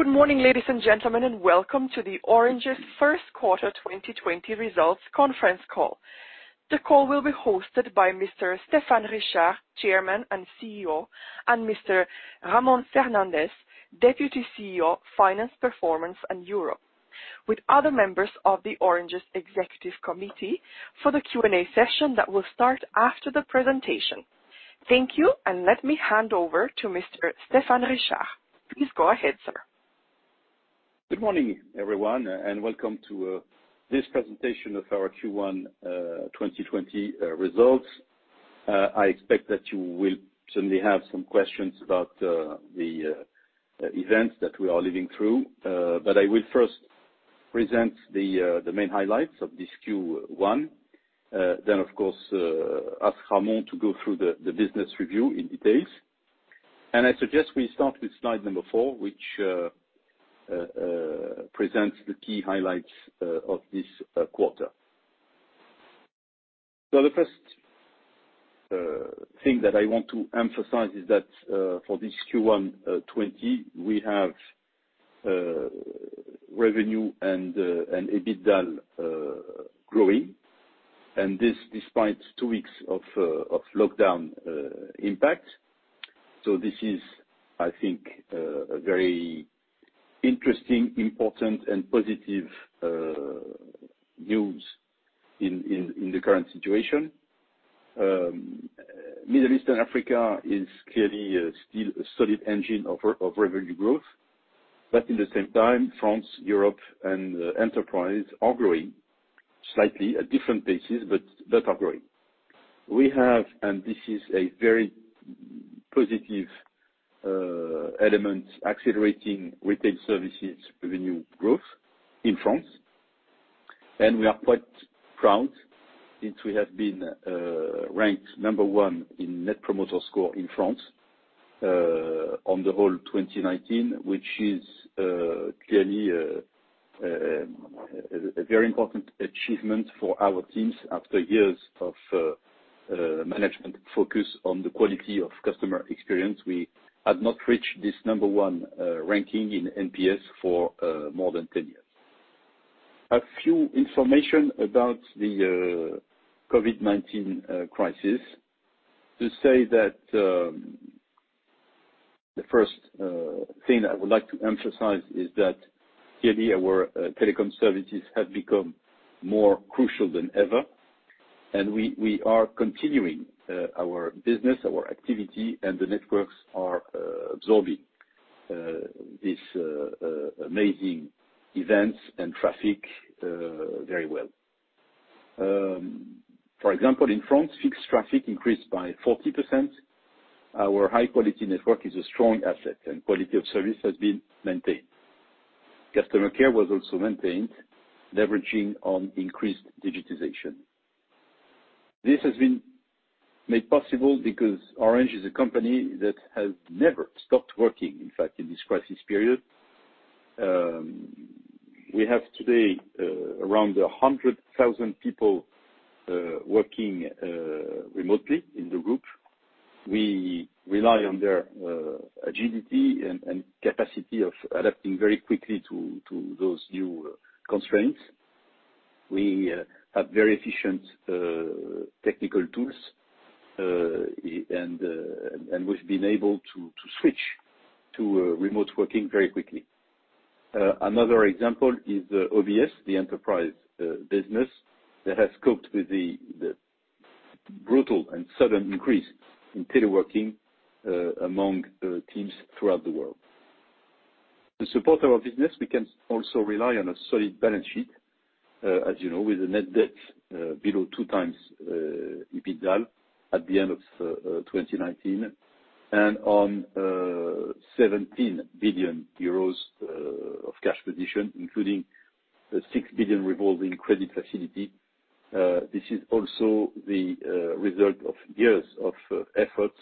Good morning, ladies and gentlemen, and welcome to Orange's first quarter 2020 results conference call. The call will be hosted by Mr. Stephane Richard, Chairman and CEO, and Mr. Ramon Fernandez, Deputy CEO, Finance Performance and Europe, with other members of Orange's Executive Committee for the Q&A session that will start after the presentation. Thank you, and let me hand over to Mr. Stephane Richard. Please go ahead, sir. Good morning, everyone, and welcome to this presentation of our Q1 2020 results. I expect that you will certainly have some questions about the events that we are living through, but I will first present the main highlights of this Q1. I will, of course, ask Ramon to go through the business review in detail. I suggest we start with slide number four, which presents the key highlights of this quarter. The first thing that I want to emphasize is that for this Q1 2020, we have revenue and EBITDA growing, and this despite two weeks of lockdown impact. This is, I think, a very interesting, important, and positive news in the current situation. Middle East and Africa is clearly still a solid engine of revenue growth, but at the same time, France, Europe, and enterprise are growing slightly at different paces, but are growing. We have, and this is a very positive element, accelerating retail services revenue growth in France. We are quite proud since we have been ranked number one in Net Promoter Score in France on the whole 2019, which is clearly a very important achievement for our teams after years of management focus on the quality of customer experience. We had not reached this number one ranking in NPS for more than 10 years. A few pieces of information about the COVID-19 crisis. The first thing I would like to emphasize is that clearly our telecom services have become more crucial than ever, and we are continuing our business, our activity, and the networks are absorbing these amazing events and traffic very well. For example, in France, fixed traffic increased by 40%. Our high-quality network is a strong asset, and quality of service has been maintained. Customer care was also maintained, leveraging on increased digitization. This has been made possible because Orange is a company that has never stopped working, in fact, in this crisis period. We have today around 100,000 people working remotely in the group. We rely on their agility and capacity of adapting very quickly to those new constraints. We have very efficient technical tools, and we've been able to switch to remote working very quickly. Another example is OBS, the enterprise business that has coped with the brutal and sudden increase in teleworking among teams throughout the world. To support our business, we can also rely on a solid balance sheet, as you know, with a net debt below two times EBITDA at the end of 2019 and on 17 billion euros of cash position, including 6 billion revolving credit facility. This is also the result of years of effort,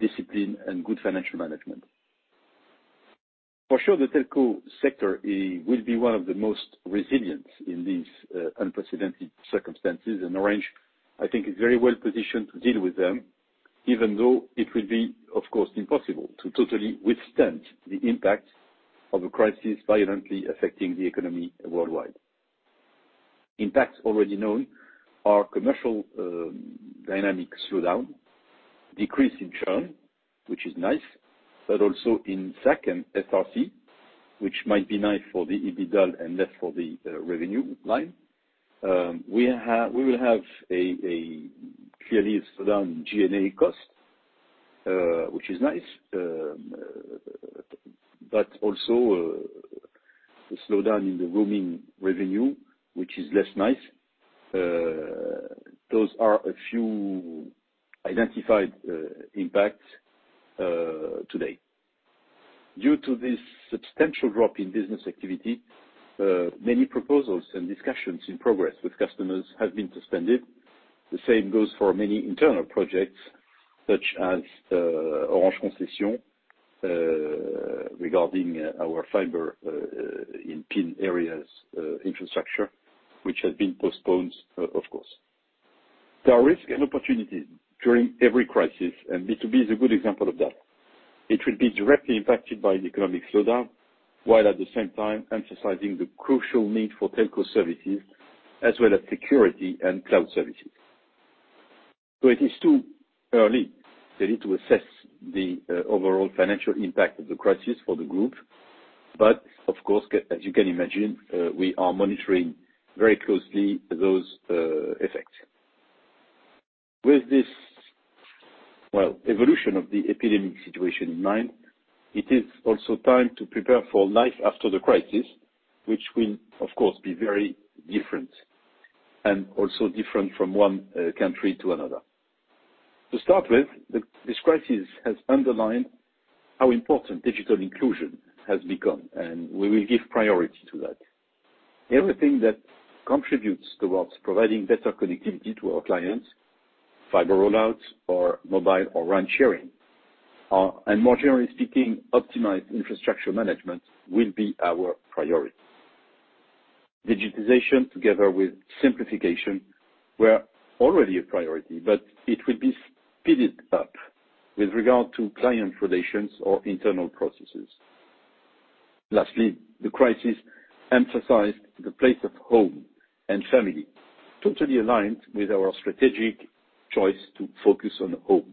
discipline, and good financial management. For sure, the telco sector will be one of the most resilient in these unprecedented circumstances, and Orange, I think, is very well positioned to deal with them, even though it will be, of course, impossible to totally withstand the impact of a crisis violently affecting the economy worldwide. Impacts already known are commercial dynamic slowdown, decrease in churn, which is nice, but also in second, FRC, which might be nice for the EBITDA and less for the revenue line. We will have a clearly slowdown in GNA cost, which is nice, but also a slowdown in the roaming revenue, which is less nice. Those are a few identified impacts today. Due to this substantial drop in business activity, many proposals and discussions in progress with customers have been suspended. The same goes for many internal projects such as Orange Concession regarding our fiber in pin areas infrastructure, which has been postponed, of course. There are risks and opportunities during every crisis, and B2B is a good example of that. It will be directly impacted by the economic slowdown while at the same time emphasizing the crucial need for telco services as well as security and cloud services. It is too early, clearly, to assess the overall financial impact of the crisis for the group, but of course, as you can imagine, we are monitoring very closely those effects. With this, evolution of the epidemic situation in mind, it is also time to prepare for life after the crisis, which will, of course, be very different and also different from one country to another. To start with, this crisis has underlined how important digital inclusion has become, and we will give priority to that. Everything that contributes towards providing better connectivity to our clients, fiber rollout or mobile or RAN sharing, and more generally speaking, optimized infrastructure management will be our priority. Digitization, together with simplification, were already a priority, but it will be speeded up with regard to client relations or internal processes. Lastly, the crisis emphasized the place of home and family, totally aligned with our strategic choice to focus on home.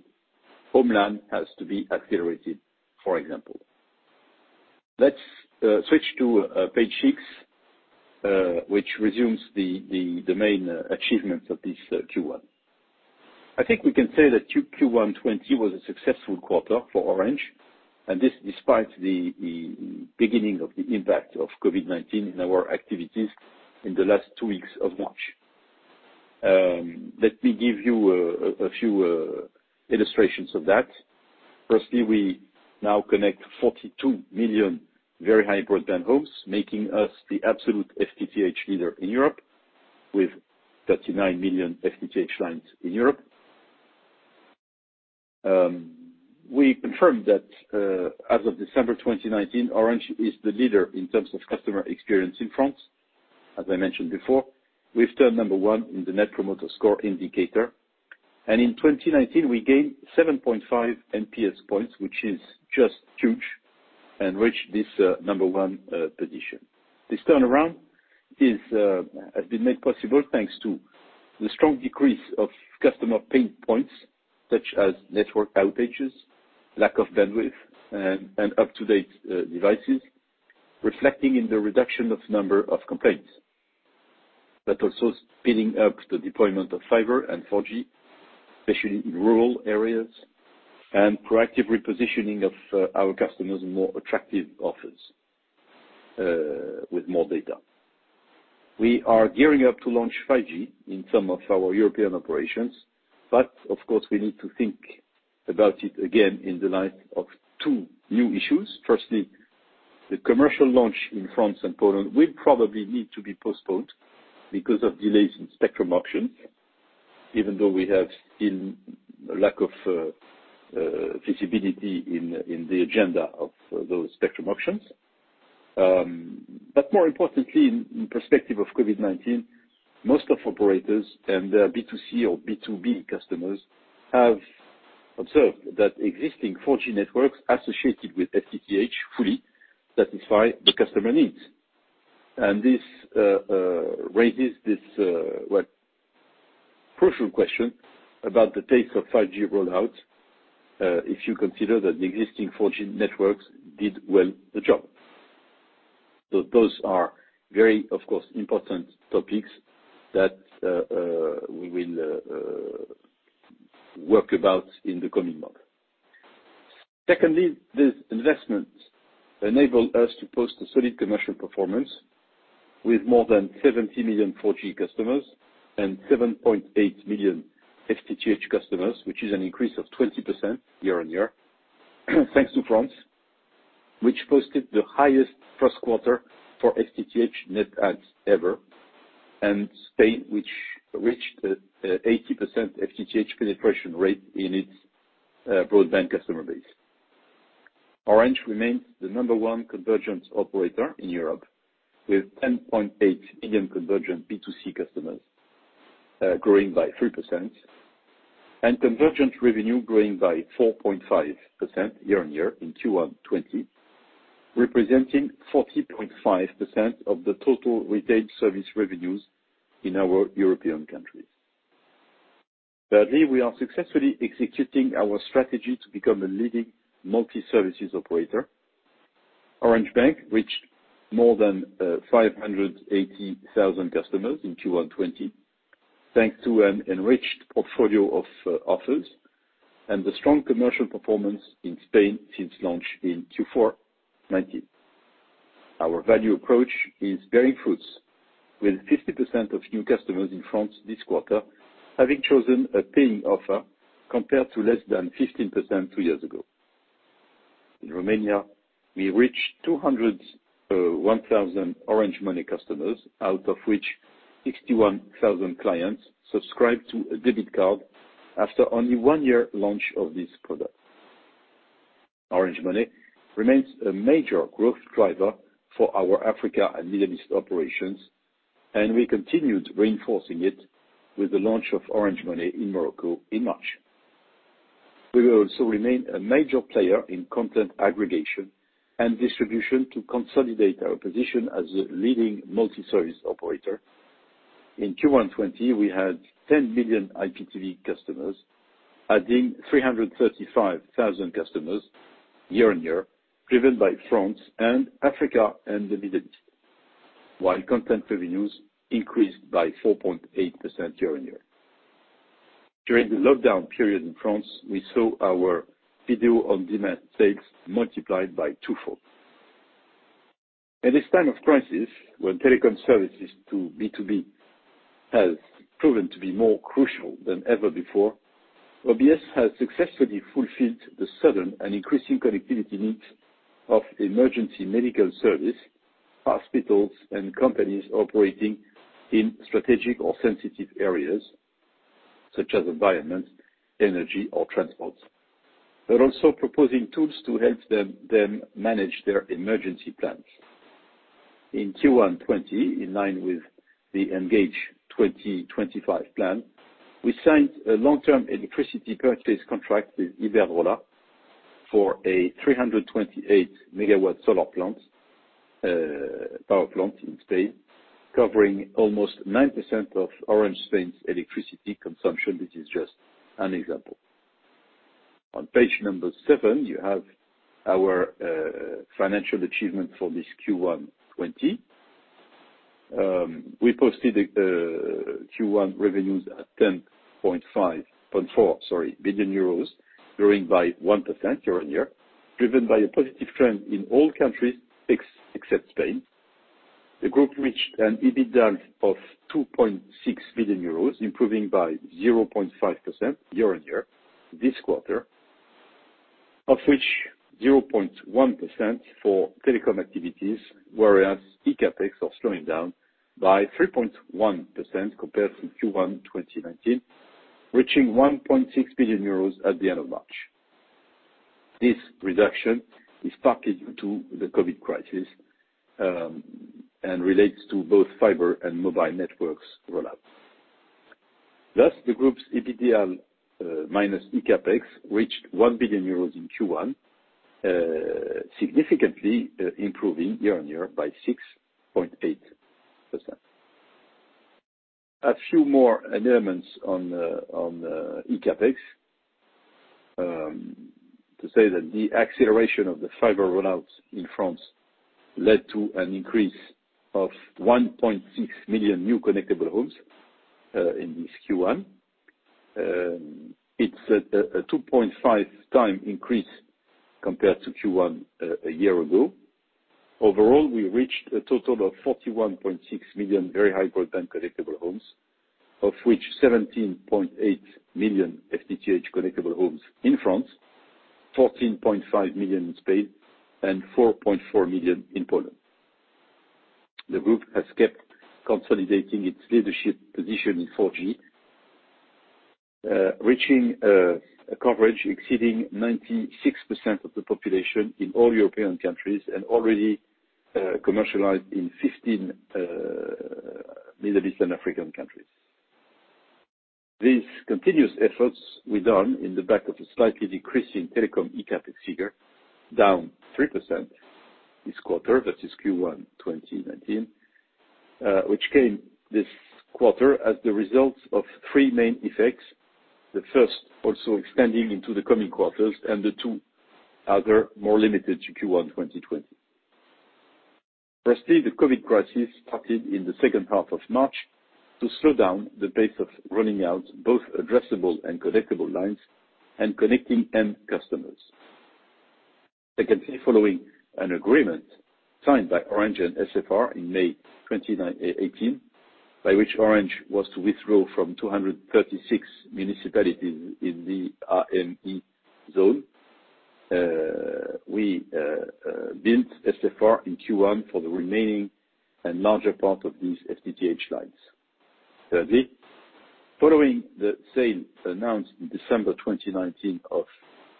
Homeland has to be accelerated, for example. Let's switch to page six, which resumes the main achievements of this Q1. I think we can say that Q1 2020 was a successful quarter for Orange, and this despite the beginning of the impact of COVID-19 in our activities in the last two weeks of March. Let me give you a few illustrations of that. Firstly, we now connect 42 million very high-broadband homes, making us the absolute FTTH leader in Europe, with 39 million FTTH lines in Europe. We confirmed that as of December 2019, Orange is the leader in terms of customer experience in France, as I mentioned before. We've turned number one in the Net Promoter Score indicator, and in 2019, we gained 7.5 NPS points, which is just huge, and reached this number one position. This turnaround has been made possible thanks to the strong decrease of customer pain points such as network outages, lack of bandwidth, and up-to-date devices, reflecting in the reduction of number of complaints, but also speeding up the deployment of fiber and 4G, especially in rural areas, and proactive repositioning of our customers in more attractive offers with more data. We are gearing up to launch 5G in some of our European operations, but of course, we need to think about it again in the light of two new issues. Firstly, the commercial launch in France and Poland will probably need to be postponed because of delays in spectrum auctions, even though we still have a lack of visibility in the agenda of those spectrum auctions. More importantly, in perspective of COVID-19, most operators and their B2C or B2B customers have observed that existing 4G networks associated with FTTH fully satisfy the customer needs. This raises this, well, crucial question about the pace of 5G rollout if you consider that the existing 4G networks did well the job. Those are very, of course, important topics that we will work about in the coming months. Secondly, these investments enable us to post a solid commercial performance with more than 70 million 4G customers and 7.8 million FTTH customers, which is an increase of 20% year on year, thanks to France, which posted the highest first quarter for FTTH net adds ever, and Spain, which reached an 80% FTTH penetration rate in its broadband customer base. Orange remains the number one convergent operator in Europe with 10.8 million convergent B2C customers growing by 3%, and convergent revenue growing by 4.5% year on year in Q1 2020, representing 40.5% of the total retail service revenues in our European countries. Thirdly, we are successfully executing our strategy to become a leading multi-services operator. Orange Bank reached more than 580,000 customers in Q1 2020, thanks to an enriched portfolio of offers and the strong commercial performance in Spain since launch in Q4 2019. Our value approach is bearing fruits, with 50% of new customers in France this quarter having chosen a paying offer compared to less than 15% two years ago. In Romania, we reached 201,000 Orange Money customers, out of which 61,000 clients subscribed to a debit card after only one year launch of this product. Orange Money remains a major growth driver for our Africa and Middle East operations, and we continued reinforcing it with the launch of Orange Money in Morocco in March. We will also remain a major player in content aggregation and distribution to consolidate our position as a leading multi-service operator. In Q1 2020, we had 10 million IPTV customers, adding 335,000 customers year on year, driven by France and Africa and the Middle East, while content revenues increased by 4.8% year on year. During the lockdown period in France, we saw our video on demand sales multiplied by twofold. In this time of crisis, when telecom services to B2B have proven to be more crucial than ever before, OBS has successfully fulfilled the sudden and increasing connectivity needs of emergency medical service, hospitals, and companies operating in strategic or sensitive areas such as environment, energy, or transport, but also proposing tools to help them manage their emergency plans. In Q1 2020, in line with the Engage 2025 plan, we signed a long-term electricity purchase contract with Iberdrola for a 328-megawatt solar power plant in Spain, covering almost 9% of Orange Spain's electricity consumption. This is just an example. On page number seven, you have our financial achievement for this Q1 2020. We posted Q1 revenues at 10.4 billion euros, growing by 1% year on year, driven by a positive trend in all countries except Spain. The group reached an EBITDA of 2.6 billion euros, improving by 0.5% year on year this quarter, of which 0.1% for telecom activities, whereas ECAPEX are slowing down by 3.1% compared to Q1 2019, reaching 1.6 billion euros at the end of March. This reduction is partly due to the COVID crisis and relates to both fiber and mobile networks rollout. Thus, the group's EBITDA minus ECAPEX reached 1 billion euros in Q1, significantly improving year on year by 6.8%. A few more elements on ECAPEX. To say that the acceleration of the fiber rollout in France led to an increase of 1.6 million new connectable homes in this Q1. It's a 2.5-time increase compared to Q1 a year ago. Overall, we reached a total of 41.6 million very high-broadband connectable homes, of which 17.8 million FTTH connectable homes in France, 14.5 million in Spain, and 4.4 million in Poland. The group has kept consolidating its leadership position in 4G, reaching a coverage exceeding 96% of the population in all European countries and already commercialized in 15 Middle Eastern African countries. These continuous efforts were done in the back of a slightly decreasing telecom ECAPEX figure, down 3% this quarter, that is Q1 2019, which came this quarter as the result of three main effects, the first also extending into the coming quarters and the two other more limited to Q1 2020. Firstly, the COVID crisis started in the second half of March to slow down the pace of running out both addressable and connectable lines and connecting end customers. Secondly, following an agreement signed by Orange and SFR in May 2018, by which Orange was to withdraw from 236 municipalities in the RME zone, we built SFR in Q1 for the remaining and larger part of these FTTH lines. Thirdly, following the sale announced in December 2019 of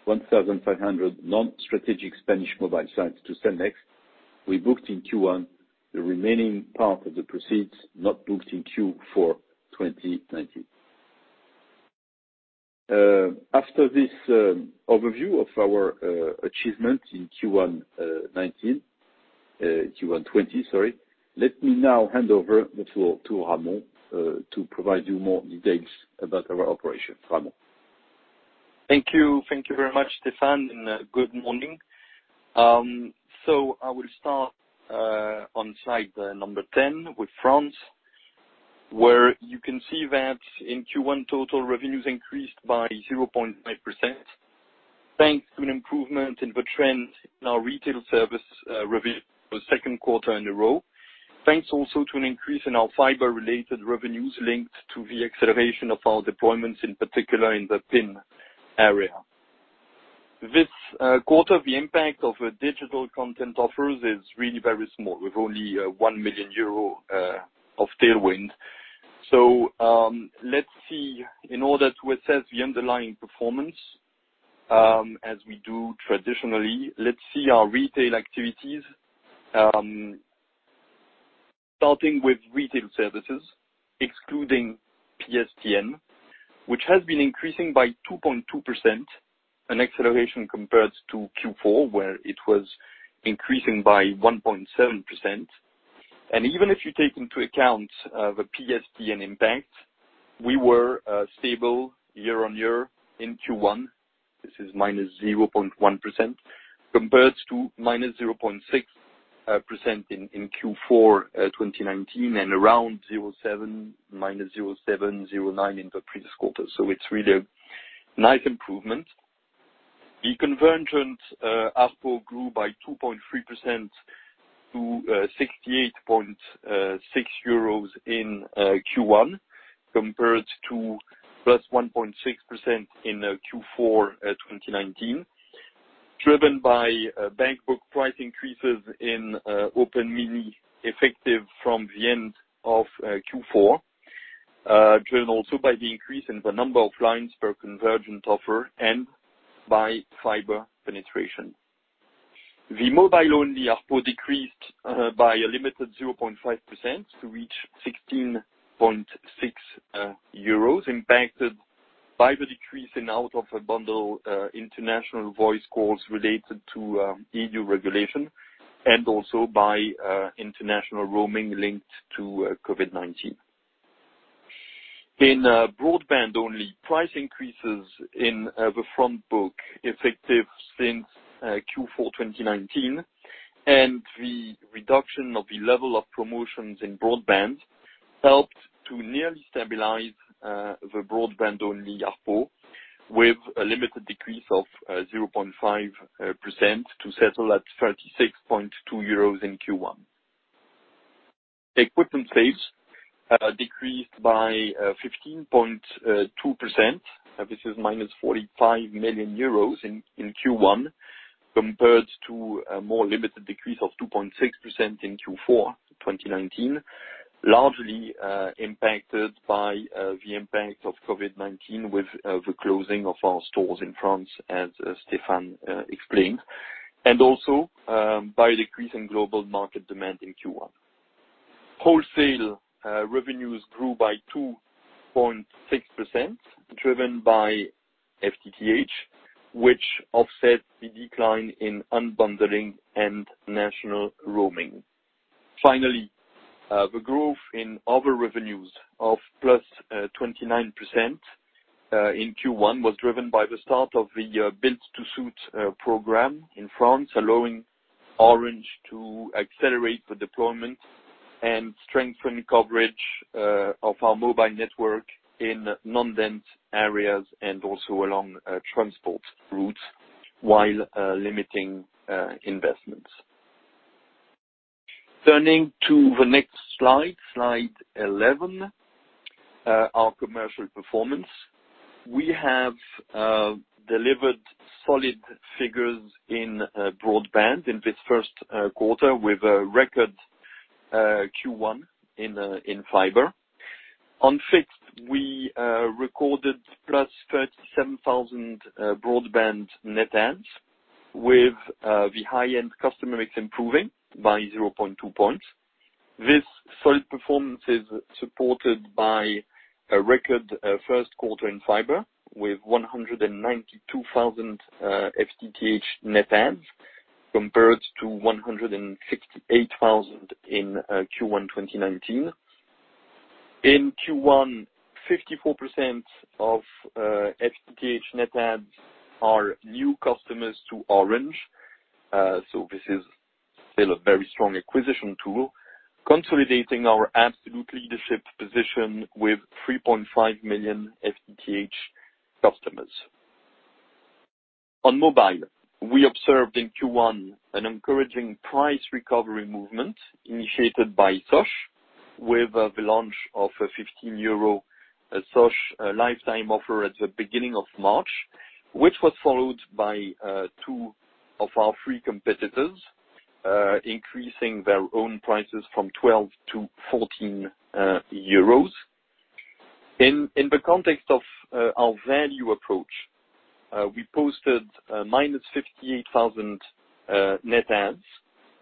1,500 non-strategic Spanish mobile sites to Cellnex, we booked in Q1 the remaining part of the proceeds not booked in Q4 2019. After this overview of our achievement in Q1 2020, sorry, let me now hand over the floor to Ramon to provide you more details about our operation. Ramon. Thank you. Thank you very much, Stephane, and good morning. I will start on slide number 10 with France, where you can see that in Q1, total revenues increased by 0.5% thanks to an improvement in the trend in our retail service revenue for the second quarter in a row, thanks also to an increase in our fiber-related revenues linked to the acceleration of our deployments, in particular in the PIN area. This quarter, the impact of digital content offers is really very small, with only 1 million euro of tailwind. Let's see, in order to assess the underlying performance as we do traditionally, let's see our retail activities, starting with retail services, excluding PSTN, which has been increasing by 2.2%, an acceleration compared to Q4, where it was increasing by 1.7%. Even if you take into account the PSTN impact, we were stable year on year in Q1. This is minus 0.1% compared to minus 0.6% in Q4 2019 and around minus 0.7-0.9% in the previous quarter. It is really a nice improvement. The convergent ARPU grew by 2.3% to 68.6 euros in Q1 compared to plus 1.6% in Q4 2019, driven by back book price increases in Open Mini effective from the end of Q4, driven also by the increase in the number of lines per convergent offer and by fiber penetration. The mobile-only ARPU decreased by a limited 0.5% to reach 16.6 euros, impacted by the decrease in out-of-bundle international voice calls related to EU regulation and also by international roaming linked to COVID-19. In broadband-only, price increases in the front book effective since Q4 2019 and the reduction of the level of promotions in broadband helped to nearly stabilize the broadband-only ARPU with a limited decrease of 0.5% to settle at 36.2 euros in Q1. Equipment sales decreased by 15.2%. This is minus 45 million euros in Q1 compared to a more limited decrease of 2.6% in Q4 2019, largely impacted by the impact of COVID-19 with the closing of our stores in France, as Stephane explained, and also by a decrease in global market demand in Q1. Wholesale revenues grew by 2.6%, driven by FTTH, which offset the decline in unbundling and national roaming. Finally, the growth in other revenues of +29% in Q1 was driven by the start of the Build to Suit program in France, allowing Orange to accelerate the deployment and strengthen coverage of our mobile network in non-dense areas and also along transport routes while limiting investments. Turning to the next slide, slide 11, our commercial performance. We have delivered solid figures in broadband in this first quarter with a record Q1 in fiber. On fixed, we recorded plus 37,000 broadband net adds, with the high-end customer mix improving by 0.2 percentage points. This solid performance is supported by a record first quarter in fiber with 192,000 FTTH net adds compared to 168,000 in Q1 2019. In Q1, 54% of FTTH net adds are new customers to Orange. This is still a very strong acquisition tool, consolidating our absolute leadership position with 3.5 million FTTH customers. On mobile, we observed in Q1 an encouraging price recovery movement initiated by SOSH with the launch of a 15 euro SOSH lifetime offer at the beginning of March, which was followed by two of our three competitors increasing their own prices from 12 to 14 euros. In the context of our value approach, we posted minus 58,000 net adds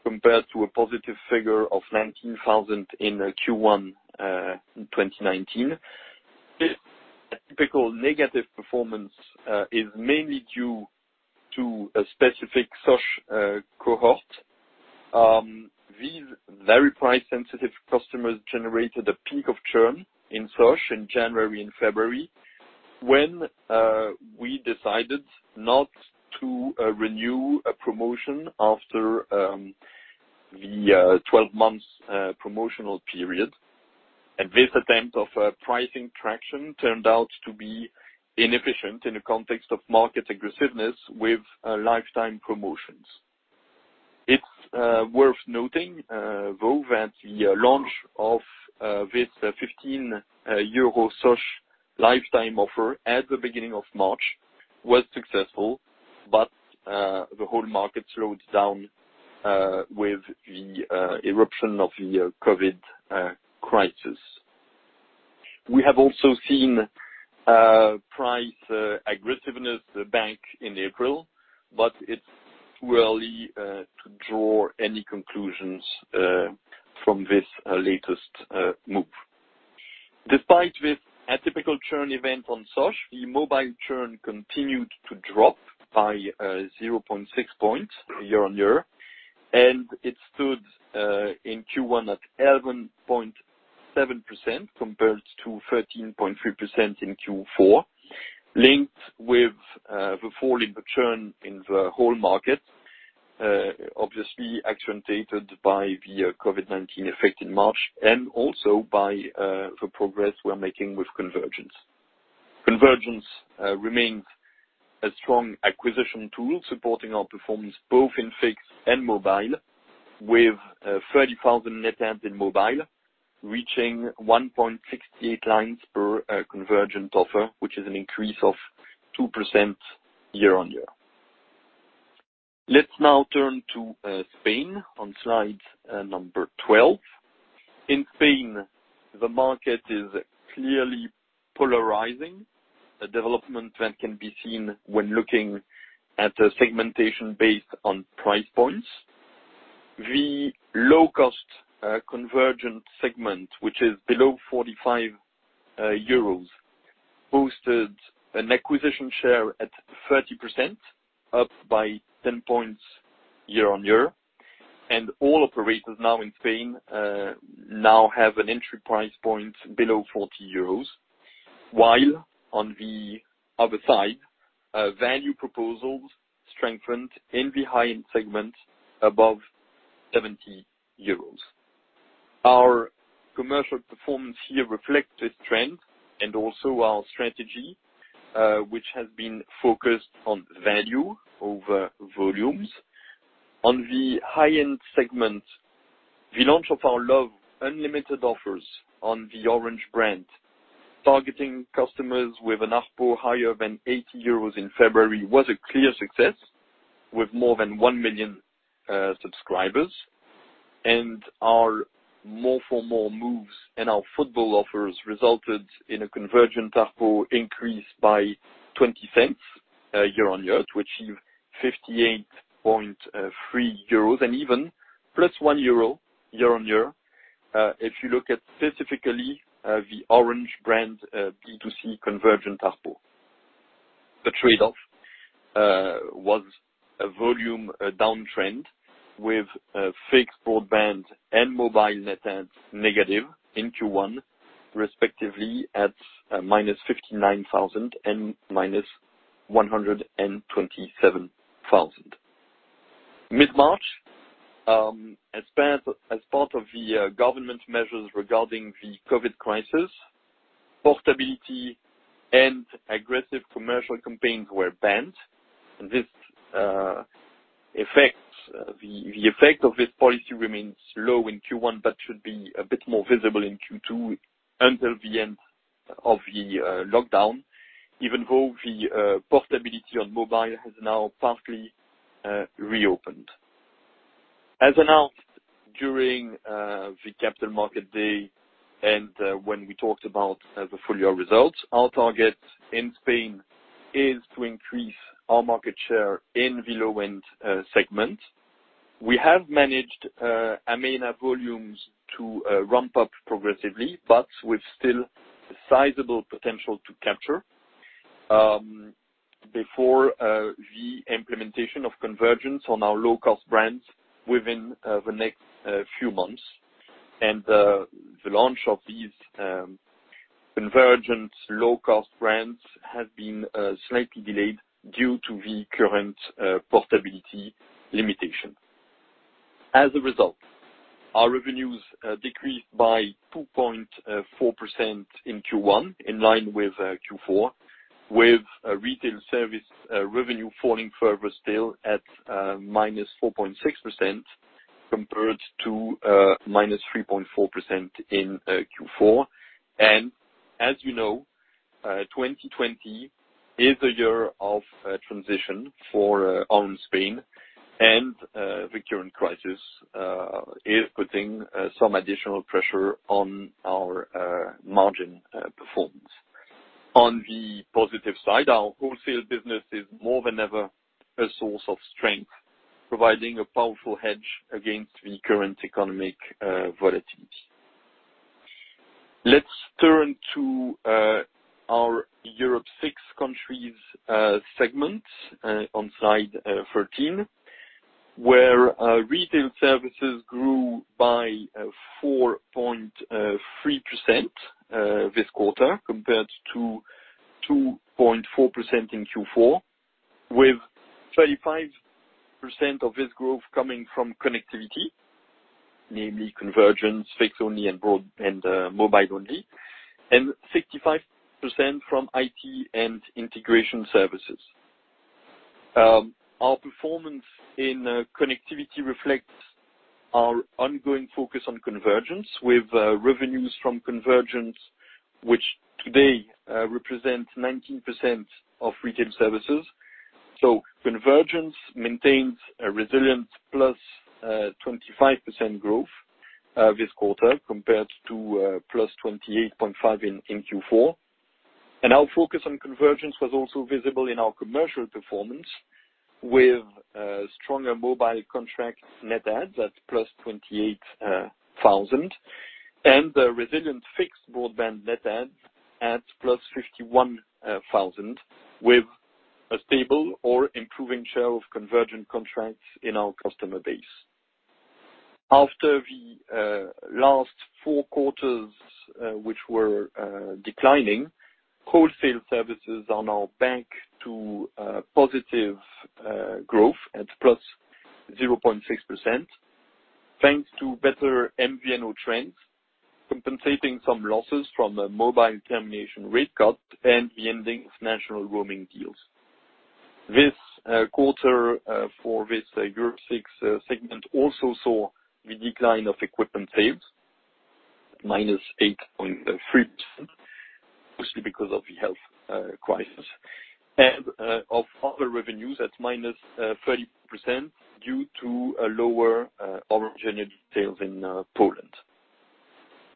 compared to a positive figure of 19,000 in Q1 2019. This typical negative performance is mainly due to a specific SOSH cohort. These very price-sensitive customers generated a peak of churn in SOSH in January and February when we decided not to renew a promotion after the 12-month promotional period. This attempt of pricing traction turned out to be inefficient in the context of market aggressiveness with lifetime promotions. It is worth noting, though, that the launch of this 15 euro SOSH lifetime offer at the beginning of March was successful, but the whole market slowed down with the eruption of the COVID crisis. We have also seen price aggressiveness back in April, but it is too early to draw any conclusions from this latest move. Despite this atypical churn event on SOSH, the mobile churn continued to drop by 0.6 percentage points year on year, and it stood in Q1 at 11.7% compared to 13.3% in Q4, linked with the fall in the churn in the whole market, obviously accentuated by the COVID-19 effect in March and also by the progress we're making with convergence. Convergence remains a strong acquisition tool supporting our performance both in fixed and mobile, with 30,000 net adds in mobile reaching 1.68 lines per convergent offer, which is an increase of 2% year on year. Let's now turn to Spain on slide number 12. In Spain, the market is clearly polarizing. The development trend can be seen when looking at the segmentation based on price points. The low-cost convergent segment, which is below 45 euros, boosted an acquisition share at 30%, up by 10 percentage points year on year. All operators now in Spain now have an entry price point below 40 euros, while on the other side, value proposals strengthened in the high-end segment above 70 euros. Our commercial performance here reflects this trend and also our strategy, which has been focused on value over volumes. In the high-end segment, the launch of our Love Unlimited offers on the Orange brand, targeting customers with an ARPU higher than 80 euros in February, was a clear success with more than 1 million subscribers. Our more-for-more moves and our football offers resulted in a convergent ARPU increase by 20 cents year on year to achieve 58.3 euros and even plus 1 euro year on year if you look at specifically the Orange brand B2C convergent ARPU. The trade-off was a volume downtrend with fixed broadband and mobile net adds negative in Q1, respectively at minus 59,000 and minus 127,000. Mid-March, as part of the government measures regarding the COVID crisis, portability and aggressive commercial campaigns were banned. The effect of this policy remains low in Q1 but should be a bit more visible in Q2 until the end of the lockdown, even though the portability on mobile has now partly reopened. As announced during the Capital Markets Day and when we talked about the full-year results, our target in Spain is to increase our market share in the low-end segment. We have managed Amena volumes to ramp up progressively, but with still sizable potential to capture before the implementation of convergence on our low-cost brands within the next few months. The launch of these convergent low-cost brands has been slightly delayed due to the current portability limitation. As a result, our revenues decreased by 2.4% in Q1, in line with Q4, with retail service revenue falling further still at -4.6% compared to -3.4% in Q4. As you know, 2020 is a year of transition for our own Spain, and the current crisis is putting some additional pressure on our margin performance. On the positive side, our wholesale business is more than ever a source of strength, providing a powerful hedge against the current economic volatility. Let's turn to our Europe 6 countries segment on slide 13, where retail services grew by 4.3% this quarter compared to 2.4% in Q4, with 35% of this growth coming from connectivity, namely convergence, fixed only, and mobile only, and 65% from IT and integration services. Our performance in connectivity reflects our ongoing focus on convergence, with revenues from convergence, which today represent 19% of retail services. Convergence maintains a resilient +25% growth this quarter compared to +28.5% in Q4. Our focus on convergence was also visible in our commercial performance, with stronger mobile contract net adds at +28,000 and resilient fixed broadband net adds at +51,000, with a stable or improving share of convergent contracts in our customer base. After the last four quarters, which were declining, wholesale services are now back to positive growth at +0.6%, thanks to better MVNO trends, compensating some losses from a mobile termination rate cut and the ending of national roaming deals. This quarter for this Europe 6 segment also saw the decline of equipment sales, minus 8.3%, mostly because of the health crisis, and of other revenues at minus 30% due to lower Orange Energy sales in Poland.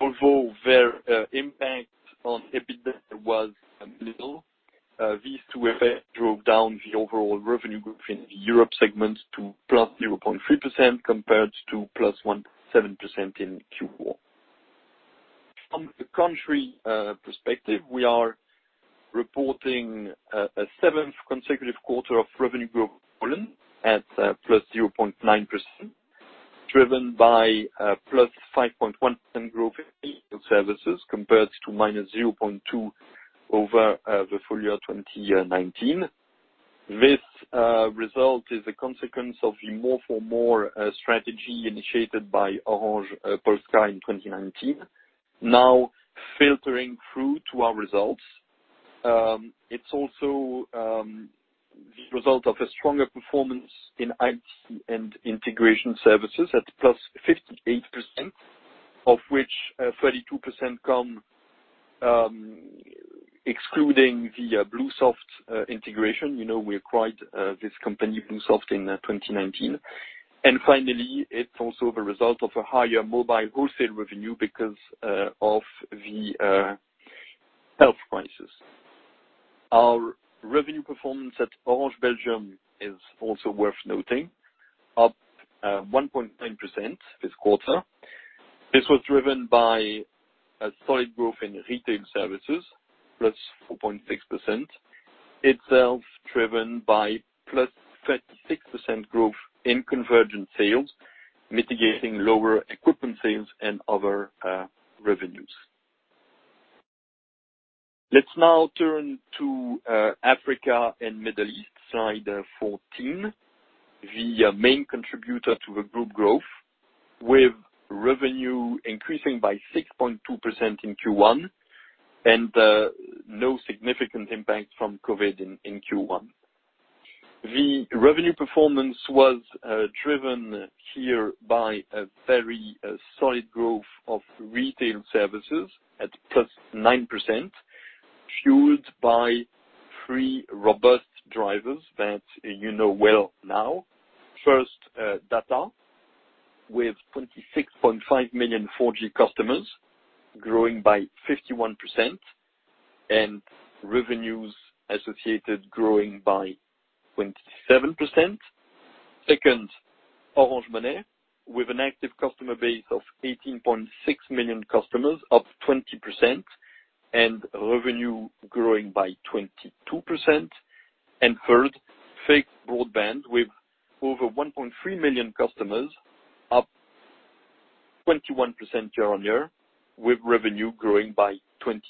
Although their impact on EBITDA was minimal, these two effects drove down the overall revenue growth in the Europe segment to plus 0.3% compared to plus 1.7% in Q4. From a country perspective, we are reporting a seventh consecutive quarter of revenue growth in Poland at plus 0.9%, driven by plus 5.1% growth in retail services compared to minus 0.2% over the full year 2019. This result is a consequence of the more-for-more strategy initiated by Orange Polska in 2019, now filtering through to our results. It's also the result of a stronger performance in IT and integration services at plus 58%, of which 32% come excluding the Bluesoft integration. You know we acquired this company, Bluesoft, in 2019. Finally, it is also the result of a higher mobile wholesale revenue because of the health crisis. Our revenue performance at Orange Belgium is also worth noting, up 1.9% this quarter. This was driven by a solid growth in retail services, plus 4.6%, itself driven by plus 36% growth in convergent sales, mitigating lower equipment sales and other revenues. Let's now turn to Africa and Middle East, slide 14, the main contributor to the group growth, with revenue increasing by 6.2% in Q1 and no significant impact from COVID in Q1. The revenue performance was driven here by a very solid growth of retail services at plus 9%, fueled by three robust drivers that you know well now. First, DATA, with 26.5 million 4G customers growing by 51% and revenues associated growing by 27%. Second, Orange Money, with an active customer base of 18.6 million customers, up 20%, and revenue growing by 22%. Third, fixed broadband, with over 1.3 million customers, up 21% year on year, with revenue growing by 22%.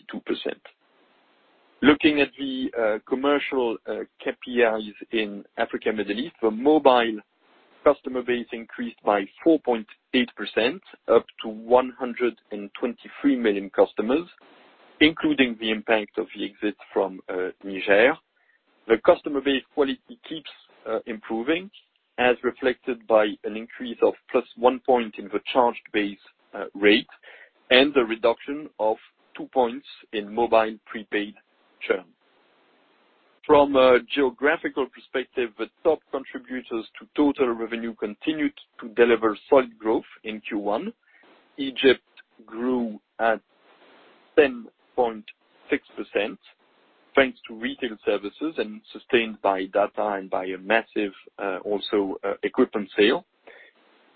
Looking at the commercial KPIs in Africa and the Middle East, the mobile customer base increased by 4.8%, up to 123 million customers, including the impact of the exit from Niger. The customer base quality keeps improving, as reflected by an increase of plus 1 percentage point in the charged base rate and the reduction of 2 percentage points in mobile prepaid churn. From a geographical perspective, the top contributors to total revenue continued to deliver solid growth in Q1. Egypt grew at 10.6% thanks to retail services and sustained by data and by a massive equipment sale.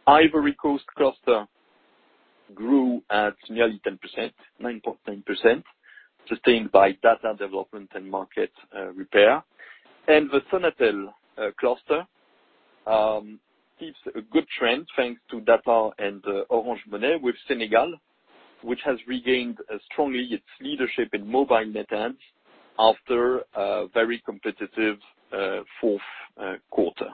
Ivory Coast cluster grew at nearly 10%, 9.9%, sustained by data development and market repair. The Sonatel cluster keeps a good trend thanks to data and Orange Money, with Senegal, which has regained strongly its leadership in mobile net adds after a very competitive fourth quarter.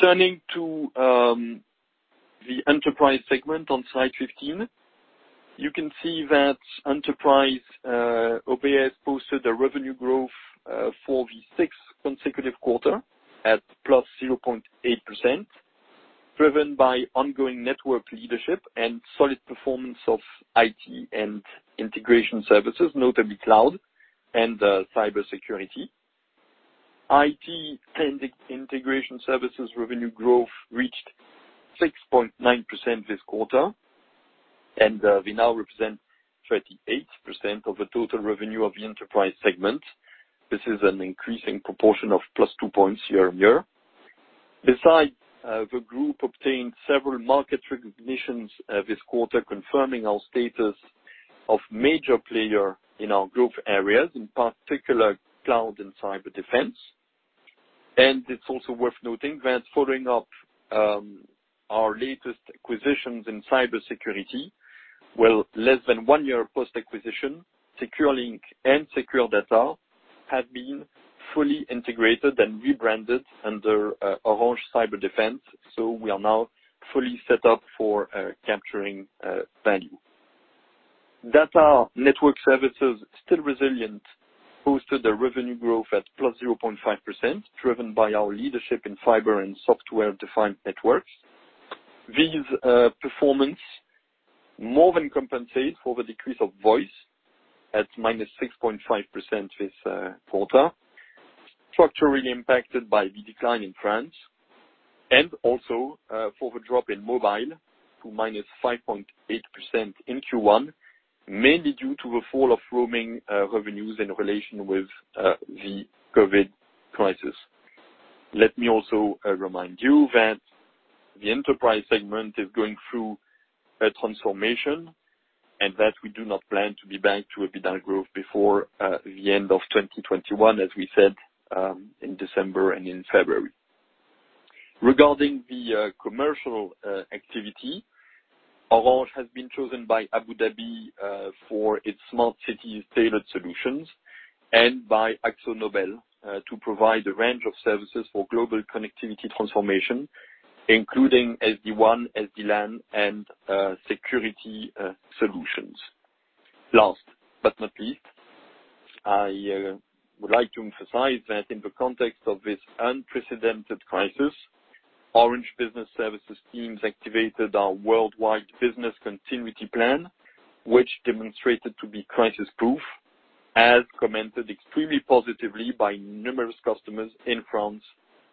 Turning to the enterprise segment on slide 15, you can see that enterprise OBS posted a revenue growth for the sixth consecutive quarter at +0.8%, driven by ongoing network leadership and solid performance of IT and integration services, notably cloud and cybersecurity. IT and integration services revenue growth reached 6.9% this quarter, and they now represent 38% of the total revenue of the enterprise segment. This is an increasing proportion of +2 percentage points year on year. Besides, the group obtained several market recognitions this quarter, confirming our status of major player in our growth areas, in particular cloud and cyber defense. It is also worth noting that following up our latest acquisitions in cybersecurity, less than one year post-acquisition, SecureLink and SecureData have been fully integrated and rebranded under Orange Cyber Defense, so we are now fully set up for capturing value. DATA network services, still resilient, posted a revenue growth at +0.5%, driven by our leadership in fiber and software-defined networks. These performances more than compensate for the decrease of voice at -6.5% this quarter, structurally impacted by the decline in France and also for the drop in mobile to -5.8% in Q1, mainly due to the fall of roaming revenues in relation with the COVID crisis. Let me also remind you that the enterprise segment is going through a transformation and that we do not plan to be back to a beacon growth before the end of 2021, as we said in December and in February. Regarding the commercial activity, Orange has been chosen by Abu Dhabi for its smart cities tailored solutions and by AkzoNobel to provide a range of services for global connectivity transformation, including SD-WAN, SD-LAN, and security solutions. Last but not least, I would like to emphasize that in the context of this unprecedented crisis, Orange Business Services Teams activated our worldwide business continuity plan, which demonstrated to be crisis-proof, as commented extremely positively by numerous customers in France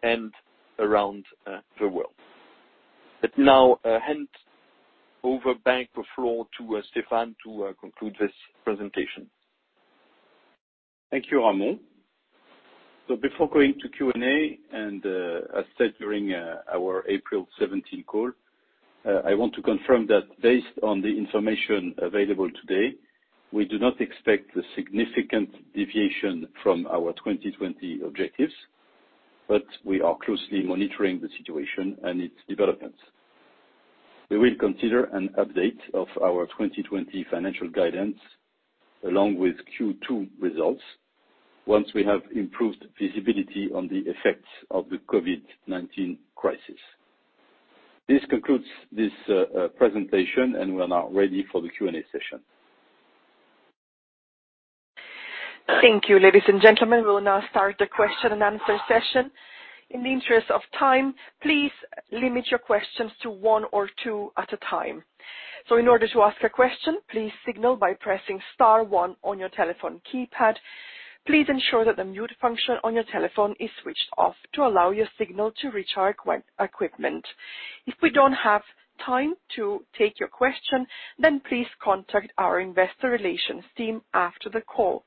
and around the world. Let me now hand over back the floor to Stéphane to conclude this presentation. Thank you, Ramon. Before going to Q&A, and as said during our April 17 call, I want to confirm that based on the information available today, we do not expect a significant deviation from our 2020 objectives, but we are closely monitoring the situation and its developments. We will consider an update of our 2020 financial guidance along with Q2 results once we have improved visibility on the effects of the COVID-19 crisis. This concludes this presentation, and we are now ready for the Q&A session. Thank you, ladies and gentlemen. We will now start the question and answer session. In the interest of time, please limit your questions to one or two at a time. In order to ask a question, please signal by pressing star one on your telephone keypad. Please ensure that the mute function on your telephone is switched off to allow your signal to reach our equipment. If we do not have time to take your question, then please contact our investor relations team after the call.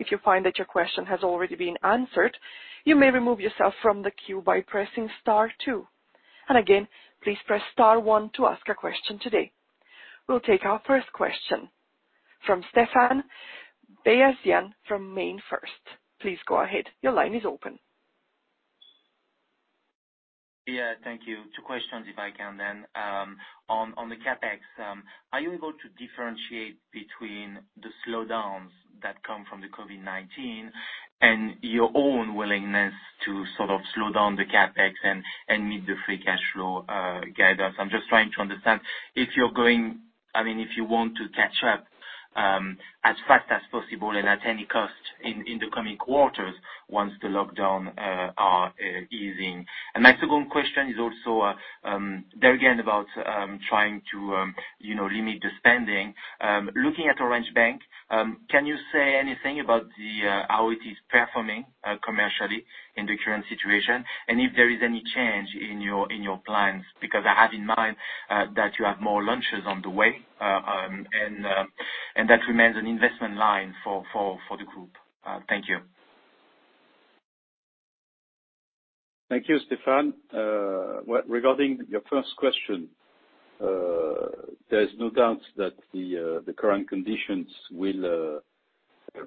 If you find that your question has already been answered, you may remove yourself from the queue by pressing star two. Please press star one to ask a question today. We will take our first question from Stéphane Beyazian from MainFirst. Please go ahead. Your line is open. Yeah, thank you. Two questions, if I can then. On the CapEx, are you able to differentiate between the slowdowns that come from the COVID-19 and your own willingness to sort of slow down the CapEx and meet the free cash flow guidance? I'm just trying to understand if you're going, I mean, if you want to catch up as fast as possible and at any cost in the coming quarters once the lockdown is in. My second question is also there again about trying to limit the spending. Looking at Orange Bank, can you say anything about how it is performing commercially in the current situation and if there is any change in your plans? Because I have in mind that you have more launches on the way and that remains an investment line for the group. Thank you. Thank you, Stéphane. Regarding your first question, there's no doubt that the current conditions will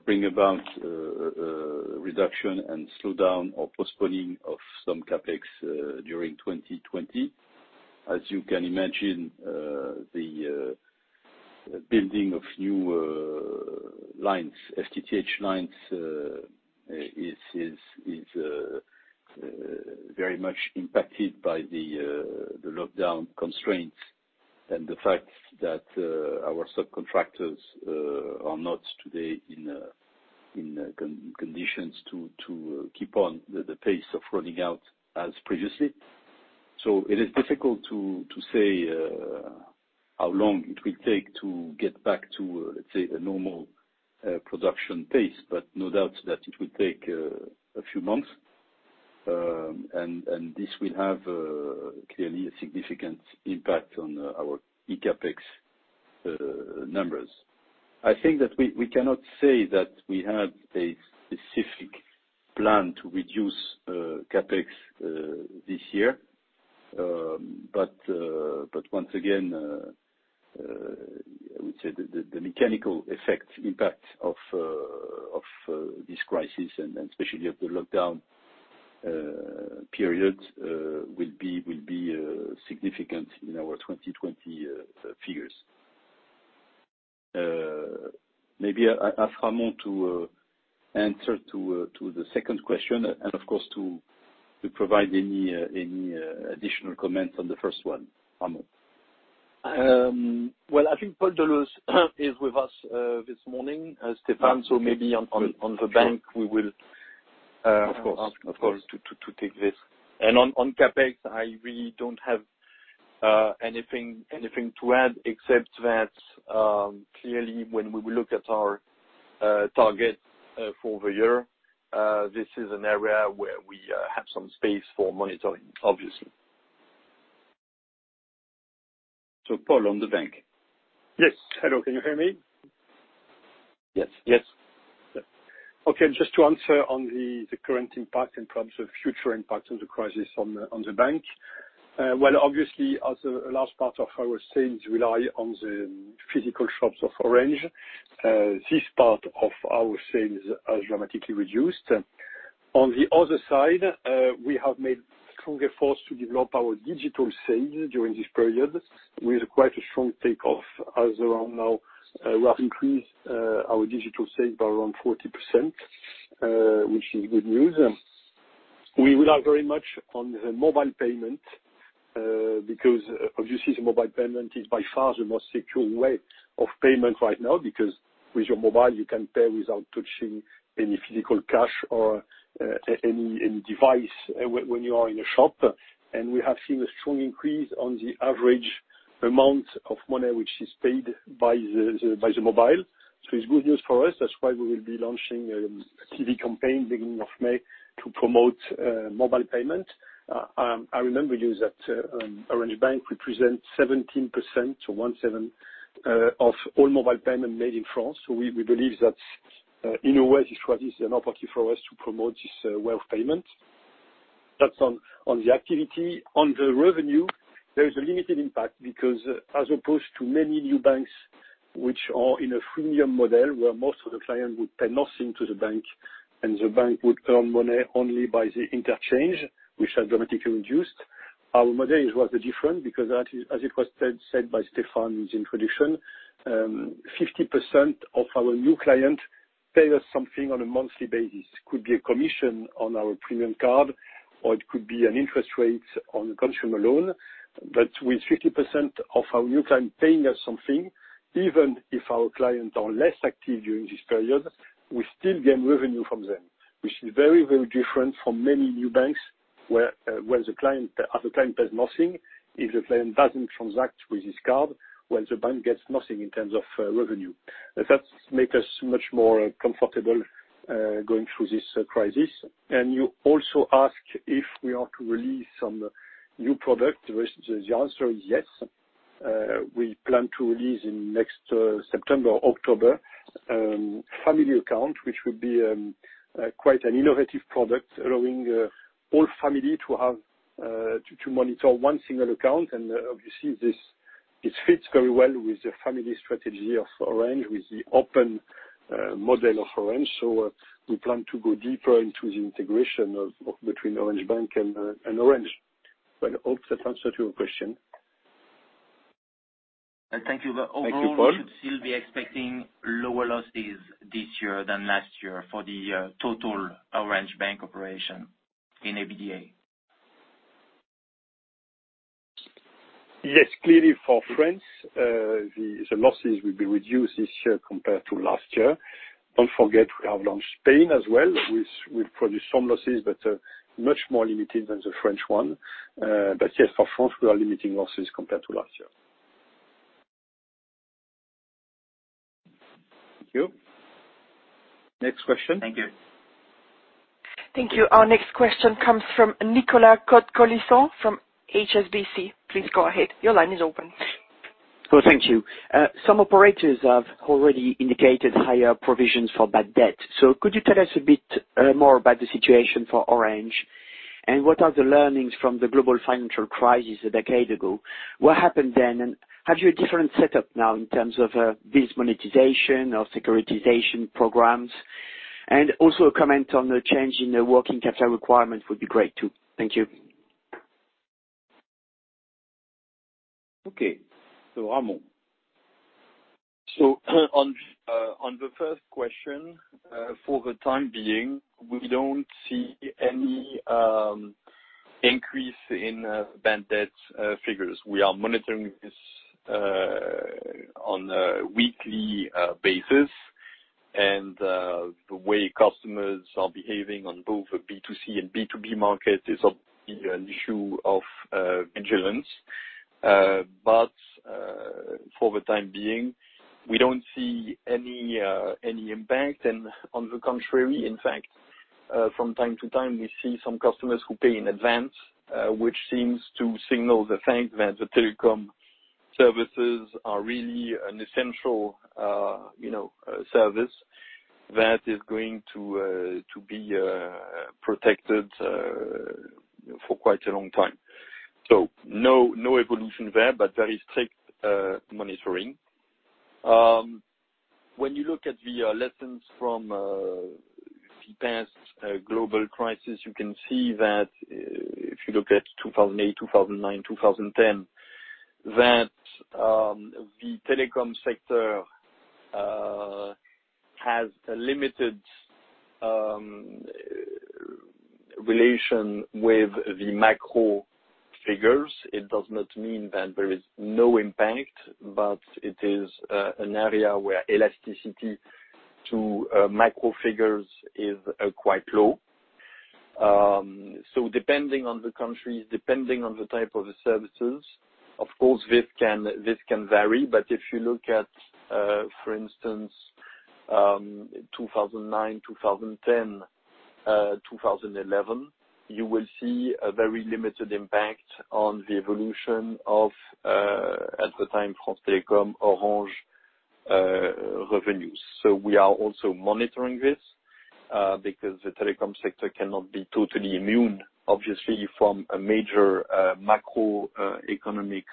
bring about a reduction and slowdown or postponing of some CapEx during 2020. As you can imagine, the building of new lines, FTTH lines, is very much impacted by the lockdown constraints and the fact that our subcontractors are not today in conditions to keep on the pace of running out as previously. It is difficult to say how long it will take to get back to, let's say, a normal production pace, but no doubt that it will take a few months. This will have clearly a significant impact on our ECAPEX numbers. I think that we cannot say that we have a specific plan to reduce CapEx this year. Once again, I would say the mechanical effect, impact of this crisis, and especially of the lockdown period, will be significant in our 2020 figures. Maybe I ask Ramon to answer to the second question and, of course, to provide any additional comments on the first one, Ramon. I think Paul Deleuze is with us this morning, Stéphane. Maybe on the bank, we will ask to take this. On CapEx, I really do not have anything to add except that clearly when we look at our target for the year, this is an area where we have some space for monitoring, obviously. Paul on the bank. Yes. Hello. Can you hear me? Yes. Yes. Okay. Just to answer on the current impact and perhaps the future impact of the crisis on the bank, obviously, as a large part of our sales rely on the physical shops of Orange, this part of our sales has dramatically reduced. On the other side, we have made strong efforts to develop our digital sales during this period with quite a strong takeoff as of now. We have increased our digital sales by around 40%, which is good news. We rely very much on the mobile payment because, obviously, the mobile payment is by far the most secure way of payment right now because with your mobile, you can pay without touching any physical cash or any device when you are in a shop. We have seen a strong increase on the average amount of money which is paid by the mobile. It is good news for us. That is why we will be launching a TV campaign beginning of May to promote mobile payment. I remember you that Orange Bank represents 17%, so 1/7, of all mobile payment made in France. We believe that in a way, this crisis is an opportunity for us to promote this way of payment. That is on the activity. On the revenue, there is a limited impact because, as opposed to many new banks which are in a freemium model where most of the clients would pay nothing to the bank and the bank would earn money only by the interchange, which has dramatically reduced, our model is rather different because, as it was said by Stéphane in his introduction, 50% of our new clients pay us something on a monthly basis. It could be a commission on our premium card, or it could be an interest rate on a consumer loan. With 50% of our new clients paying us something, even if our clients are less active during this period, we still gain revenue from them, which is very, very different from many new banks where the client pays nothing. If the client doesn't transact with his card, well, the bank gets nothing in terms of revenue. That makes us much more comfortable going through this crisis. You also asked if we are to release some new products. The answer is yes. We plan to release in next September or October a family account, which would be quite an innovative product allowing all families to monitor one single account. Obviously, this fits very well with the family strategy of Orange, with the open model of Orange. We plan to go deeper into the integration between Orange Bank and Orange. I hope that answers your question. Thank you. Overall, we should still be expecting lower losses this year than last year for the total Orange Bank operation in ABDA. Yes, clearly for France, the losses will be reduced this year compared to last year. Don't forget, we have launched Spain as well. We've produced some losses, but much more limited than the French one. Yes, for France, we are limiting losses compared to last year. Thank you. Next question. Thank you. Thank you. Our next question comes from Nicolas Cote-Colisson from HSBC. Please go ahead. Your line is open. Thank you. Some operators have already indicated higher provisions for bad debt. Could you tell us a bit more about the situation for Orange and what are the learnings from the global financial crisis a decade ago? What happened then? Have you a different setup now in terms of this monetization or securitization programs? Also, a comment on the change in the working capital requirement would be great too. Thank you. Okay. Ramon. On the first question, for the time being, we do not see any increase in bad debt figures. We are monitoring this on a weekly basis. The way customers are behaving on both the B2C and B2B markets is obviously an issue of vigilance. For the time being, we do not see any impact. In fact, from time to time, we see some customers who pay in advance, which seems to signal the fact that the telecom services are really an essential service that is going to be protected for quite a long time. No evolution there, but very strict monitoring. When you look at the lessons from the past global crisis, you can see that if you look at 2008, 2009, 2010, the telecom sector has a limited relation with the macro figures. It does not mean that there is no impact, but it is an area where elasticity to macro figures is quite low. Depending on the countries, depending on the type of services, of course, this can vary. If you look at, for instance, 2009, 2010, 2011, you will see a very limited impact on the evolution of, at the time, France Telecom Orange revenues. We are also monitoring this because the telecom sector cannot be totally immune, obviously, from a major macroeconomic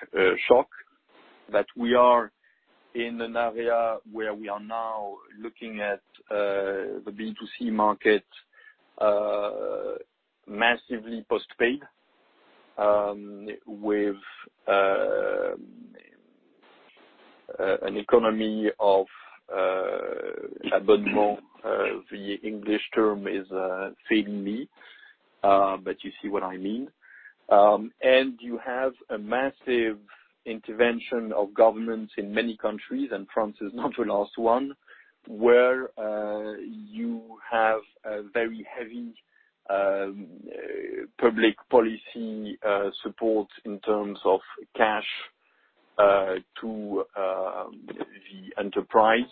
shock. We are in an area where we are now looking at the B2C market massively postpaid with an economy of abandonment. The English term is failing me, but you see what I mean. You have a massive intervention of governments in many countries, and France is not the last one, where you have a very heavy public policy support in terms of cash to the enterprise,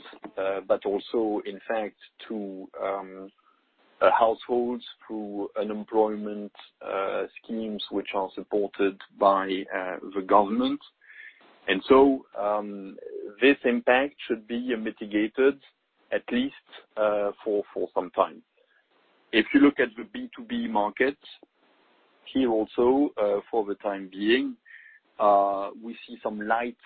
but also, in fact, to households through unemployment schemes which are supported by the government. This impact should be mitigated at least for some time. If you look at the B2B markets here also, for the time being, we see some light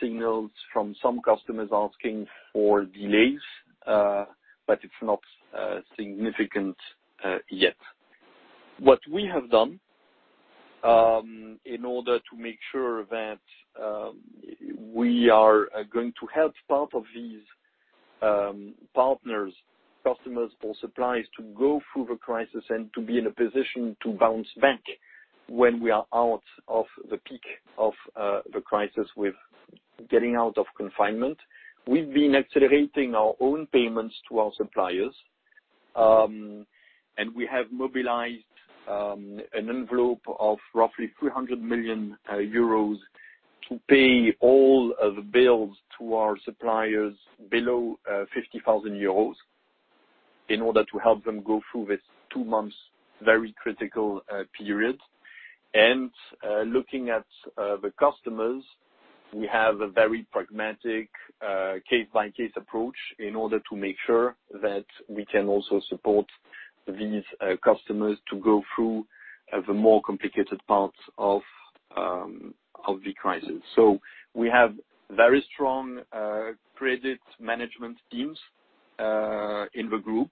signals from some customers asking for delays, but it's not significant yet. What we have done in order to make sure that we are going to help part of these partners, customers, or suppliers to go through the crisis and to be in a position to bounce back when we are out of the peak of the crisis with getting out of confinement, we've been accelerating our own payments to our suppliers. We have mobilized an envelope of roughly 300 million euros to pay all the bills to our suppliers below 50,000 euros in order to help them go through this two months' very critical period. Looking at the customers, we have a very pragmatic case-by-case approach in order to make sure that we can also support these customers to go through the more complicated parts of the crisis. We have very strong credit management teams in the group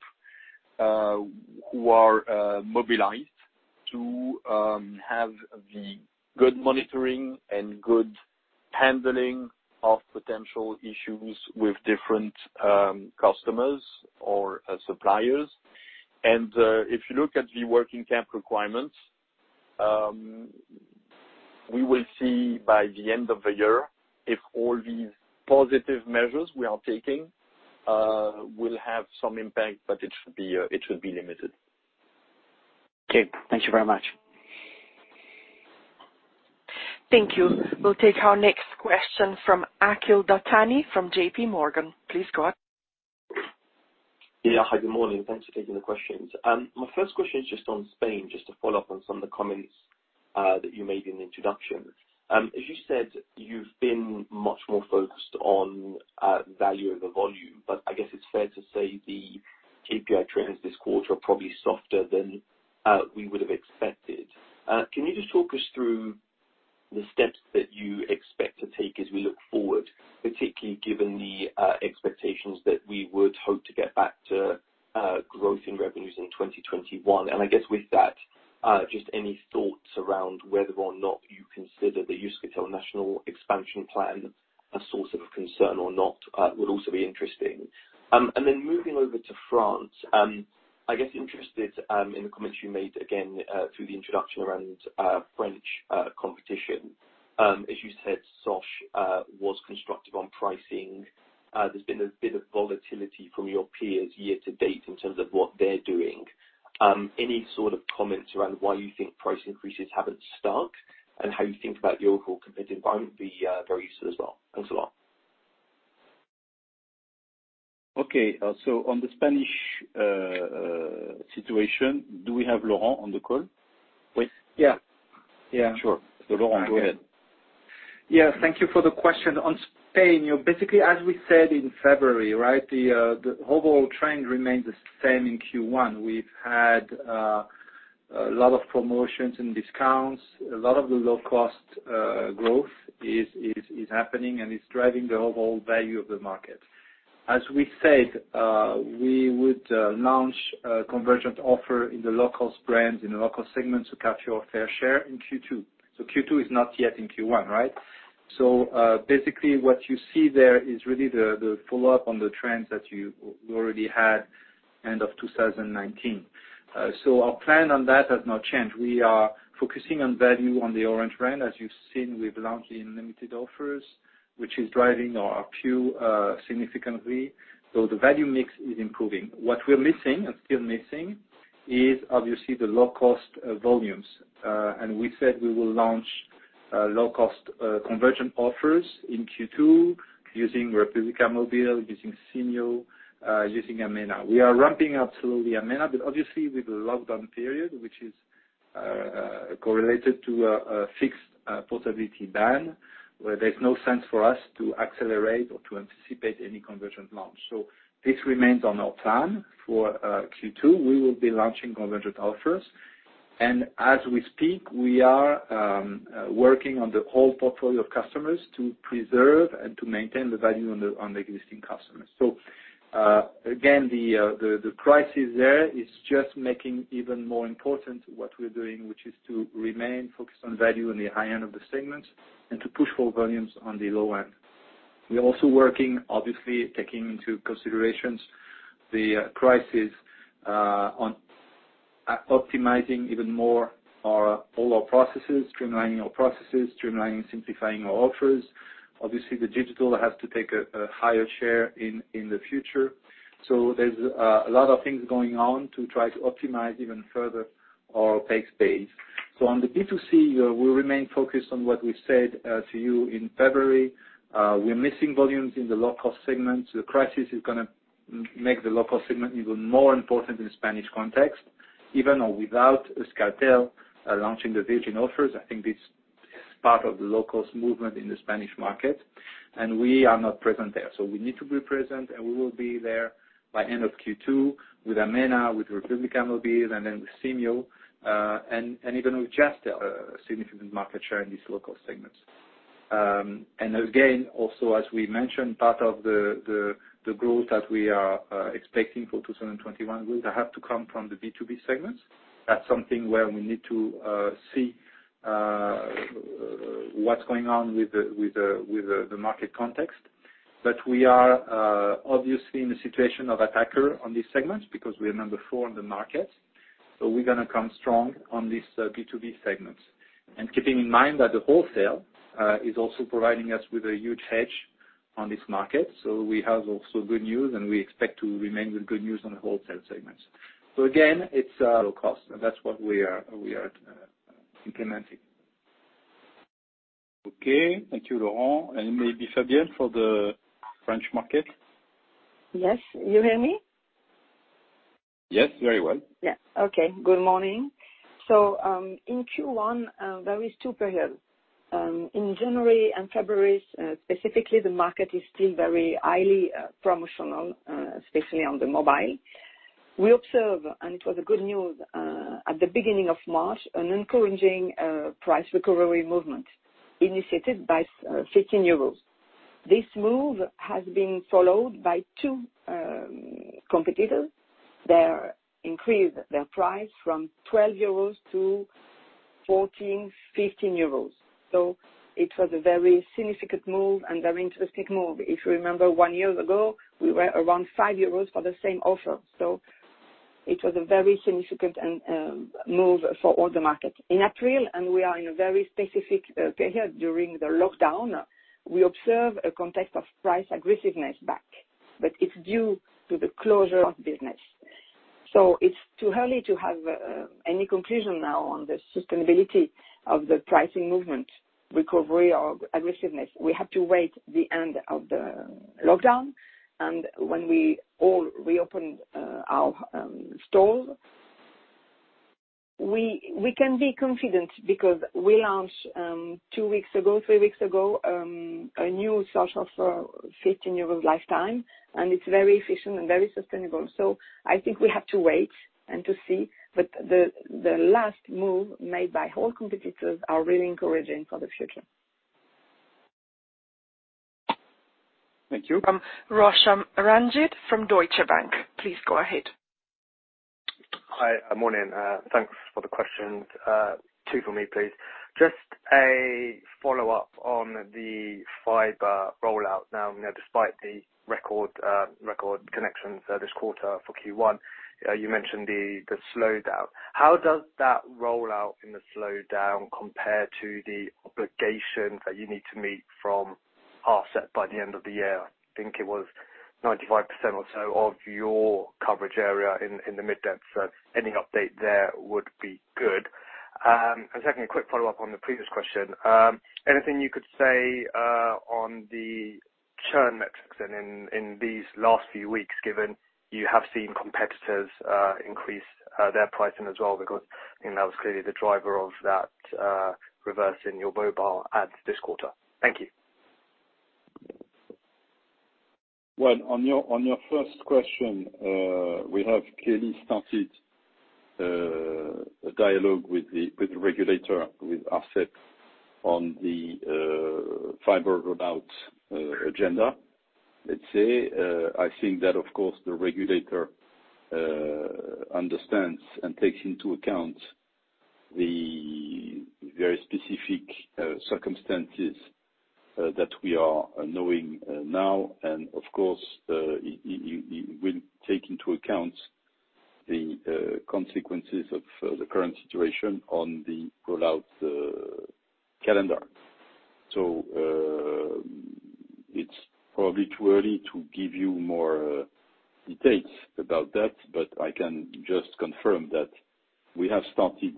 who are mobilized to have the good monitoring and good handling of potential issues with different customers or suppliers. If you look at the working cap requirements, we will see by the end of the year if all these positive measures we are taking will have some impact, but it should be limited. Thank you very much. Thank you. We'll take our next question from Aqil Dattani from JPMorgan. Please go ahead. Yeah. Hi, good morning. Thanks for taking the questions. My first question is just on Spain, just to follow up on some of the comments that you made in the introduction. As you said, you've been much more focused on value over volume. I guess it's fair to say the KPI trends this quarter are probably softer than we would have expected. Can you just talk us through the steps that you expect to take as we look forward, particularly given the expectations that we would hope to get back to growth in revenues in 2021? I guess with that, just any thoughts around whether or not you consider the Euskaltel National Expansion Plan a source of concern or not would also be interesting. Moving over to France, I guess interested in the comments you made again through the introduction around French competition. As you said, SOSH was constructive on pricing. There's been a bit of volatility from your peers year to date in terms of what they're doing. Any sort of comments around why you think price increases have not stuck and how you think about your overall competitive environment would be very useful as well. Thanks a lot. Okay. On the Spanish situation, do we have Laurent on the call? Yeah. Yeah. Sure. Laurent, go ahead. Yeah. Thank you for the question. On Spain, basically, as we said in February, the overall trend remains the same in Q1. We have had a lot of promotions and discounts. A lot of the low-cost growth is happening, and it is driving the overall value of the market. As we said, we would launch a convergent offer in the low-cost brands in the low-cost segment to capture our fair share in Q2. Q2 is not yet in Q1, right? What you see there is really the follow-up on the trends that you already had end of 2019. Our plan on that has not changed. We are focusing on value on the Orange brand. As you've seen, we've launched in limited offers, which is driving our ARPU significantly. The value mix is improving. What we're missing and still missing is, obviously, the low-cost volumes. We said we will launch low-cost convergent offers in Q2 using República Móvil, using Simyo, using Amena. We are ramping up slowly Amena, but obviously, with the lockdown period, which is correlated to a fixed portability ban, there's no sense for us to accelerate or to anticipate any convergent launch. This remains on our plan for Q2. We will be launching convergent offers. As we speak, we are working on the whole portfolio of customers to preserve and to maintain the value on the existing customers. The crisis there is just making even more important what we're doing, which is to remain focused on value on the high end of the segments and to push for volumes on the low end. We're also working, obviously, taking into consideration the crisis on optimizing even more all our processes, streamlining our processes, streamlining, simplifying our offers. Obviously, the digital has to take a higher share in the future. There's a lot of things going on to try to optimize even further our pay space. On the B2C, we'll remain focused on what we said to you in February. We're missing volumes in the low-cost segment. The crisis is going to make the low-cost segment even more important in the Spanish context. Even without Euskaltel launching the virgin offers, I think this is part of the low-cost movement in the Spanish market. We are not present there. We need to be present, and we will be there by the end of Q2 with Amena, with Republica Mobile, and then with Cineo, and even with Jazztel, a significant market share in these low-cost segments. Again, also, as we mentioned, part of the growth that we are expecting for 2021 will have to come from the B2B segments. That is something where we need to see what is going on with the market context. We are obviously in a situation of attacker on these segments because we are number four on the market. We are going to come strong on these B2B segments. Keeping in mind that the wholesale is also providing us with a huge hedge on this market, we have also good news, and we expect to remain with good news on the wholesale segments. Again, it's low-cost, and that's what we are implementing. Okay. Thank you, Laurent. Maybe Fabienne for the French market. Yes. You hear me? Yes. Very well. Yeah. Okay. Good morning. In Q1, there were two periods. In January and February, specifically, the market is still very highly promotional, especially on the mobile. We observed, and it was good news, at the beginning of March, an encouraging price recovery movement initiated by 15 euros. This move has been followed by two competitors. They've increased their price from 12 euros to 14 euros, 15 euros. It was a very significant move and very interesting move. If you remember, one year ago, we were around 5 euros for the same offer. It was a very significant move for all the markets. In April, and we are in a very specific period during the lockdown, we observed a context of price aggressiveness back. It is due to the closure of business. It is too early to have any conclusion now on the sustainability of the pricing movement, recovery, or aggressiveness. We have to wait until the end of the lockdown. When we all reopen our stores, we can be confident because we launched two weeks ago, three weeks ago, a new SOSH offer for EUR 15 lifetime, and it is very efficient and very sustainable. I think we have to wait and see. The last move made by all competitors is really encouraging for the future. Thank you. From Roshan Ranjit from Deutsche Bank. Please go ahead. Hi. Morning. Thanks for the question. Two for me, please. Just a follow-up on the fiber rollout now, despite the record connections this quarter for Q1, you mentioned the slowdown. How does that rollout and the slowdown compare to the obligation that you need to meet from our set by the end of the year? I think it was 95% or so of your coverage area in the mid-depth. Any update there would be good. Secondly, a quick follow-up on the previous question. Anything you could say on the churn metrics in these last few weeks, given you have seen competitors increase their pricing as well because that was clearly the driver of that reverse in your mobile ads this quarter? Thank you. On your first question, we have clearly started a dialogue with the regulator, with ASEC, on the fiber rollout agenda, let's say. I think that, of course, the regulator understands and takes into account the very specific circumstances that we are knowing now. Of course, it will take into account the consequences of the current situation on the rollout calendar. It is probably too early to give you more details about that, but I can just confirm that we have started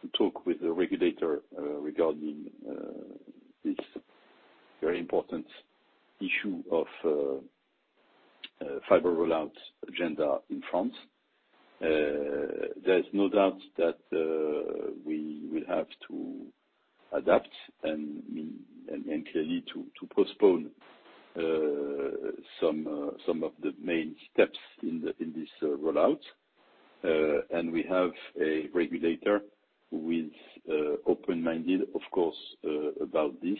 to talk with the regulator regarding this very important issue of fiber rollout agenda in France. There is no doubt that we will have to adapt and clearly to postpone some of the main steps in this rollout. We have a regulator who is open-minded, of course, about this.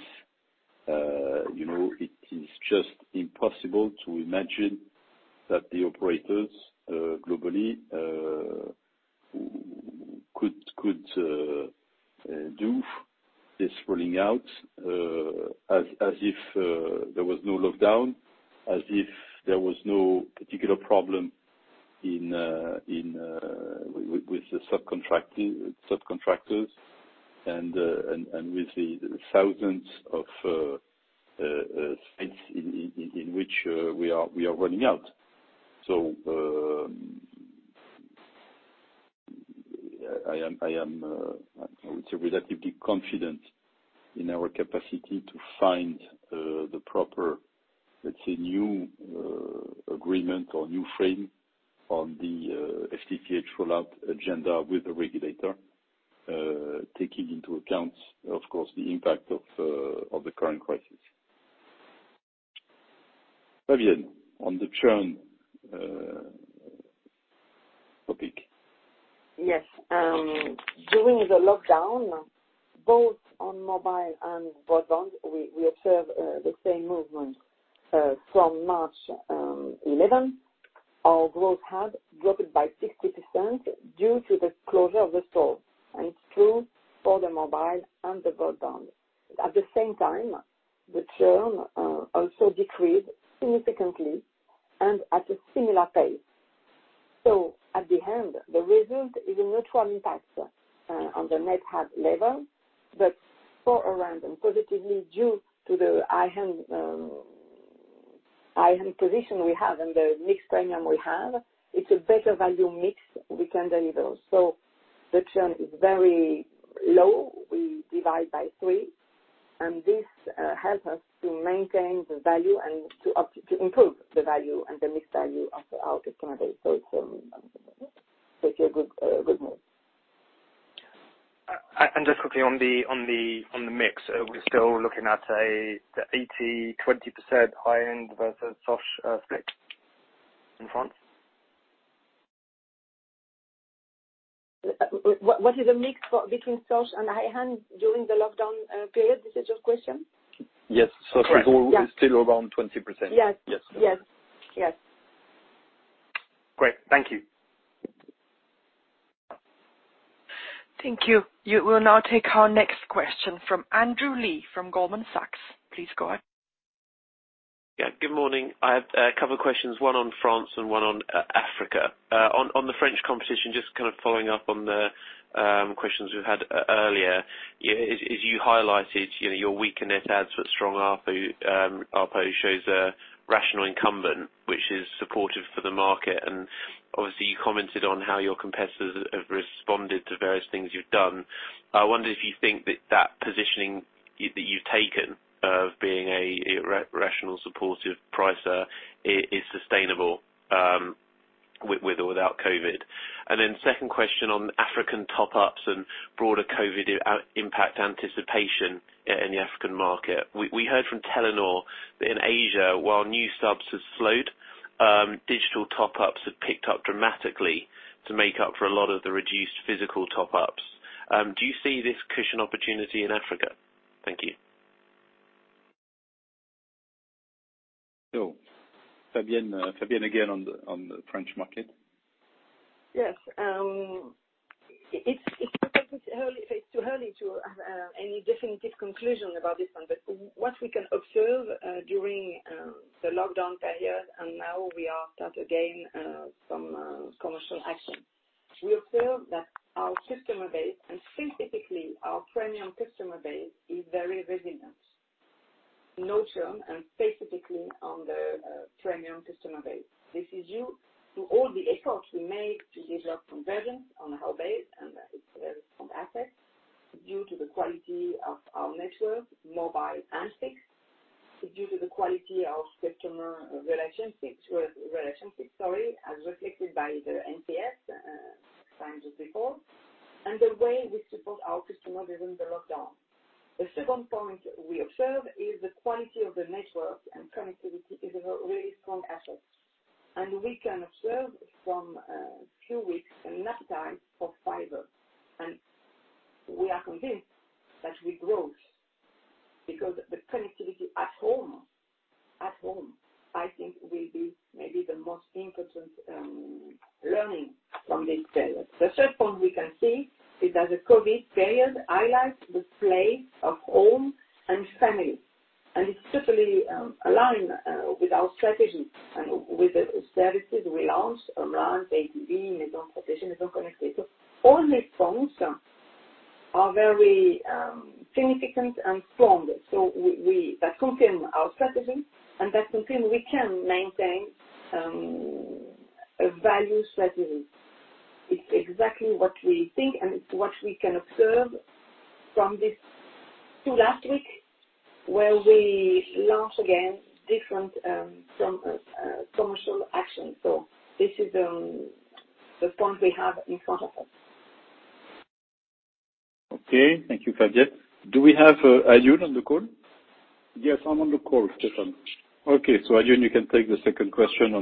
It is just impossible to imagine that the operators globally could do this rolling out as if there was no lockdown, as if there was no particular problem with the subcontractors and with the thousands of sites in which we are running out. I am, I would say, relatively confident in our capacity to find the proper, let's say, new agreement or new frame on the FTTH rollout agenda with the regulator, taking into account, of course, the impact of the current crisis. Fabienne, on the churn topic. Yes. During the lockdown, both on mobile and broadband, we observed the same movement. From March 11, our growth had dropped by 60% due to the closure of the stores. It is true for the mobile and the broadband. At the same time, the churn also decreased significantly and at a similar pace. At the end, the result is a neutral impact on the net head level, but for Orange positively due to the high-end position we have and the mixed premium we have, it is a better value mix we can deliver. The churn is very low. We divide by three, and this helps us to maintain the value and to improve the value and the mixed value of our customers. It is a good move. Just quickly, on the mix, we are still looking at the 80-20% high-end versus SOSH split in France? What is the mix between SOSH and high-end during the lockdown period? This is your question? Yes. SOSH is still around 20%. Yes. Yes. Yes. Yes. Great. Thank you. Thank you. You will now take our next question from Andrew Lee from Goldman Sachs. Please go ahead. Yeah. Good morning. I have a couple of questions, one on France and one on Africa. On the French competition, just kind of following up on the questions we have had earlier, as you highlighted, your weaker net adds but stronger ARPU shows a rational incumbent, which is supportive for the market. Obviously, you commented on how your competitors have responded to various things you've done. I wonder if you think that that positioning that you've taken of being a rational supportive pricer is sustainable with or without COVID. The second question on African top-ups and broader COVID impact anticipation in the African market. We heard from Telenor that in Asia, while new subs have slowed, digital top-ups have picked up dramatically to make up for a lot of the reduced physical top-ups. Do you see this cushion opportunity in Africa? Thank you. Fabienne again on the French market. Yes. It's too early to have any definitive conclusion about this one. What we can observe during the lockdown period, and now we are starting again some commercial action, we observe that our customer base and specifically our premium customer base is very resilient, call? Yes. I'm on the call, Stephane. Okay. Adjovi, you can take the second question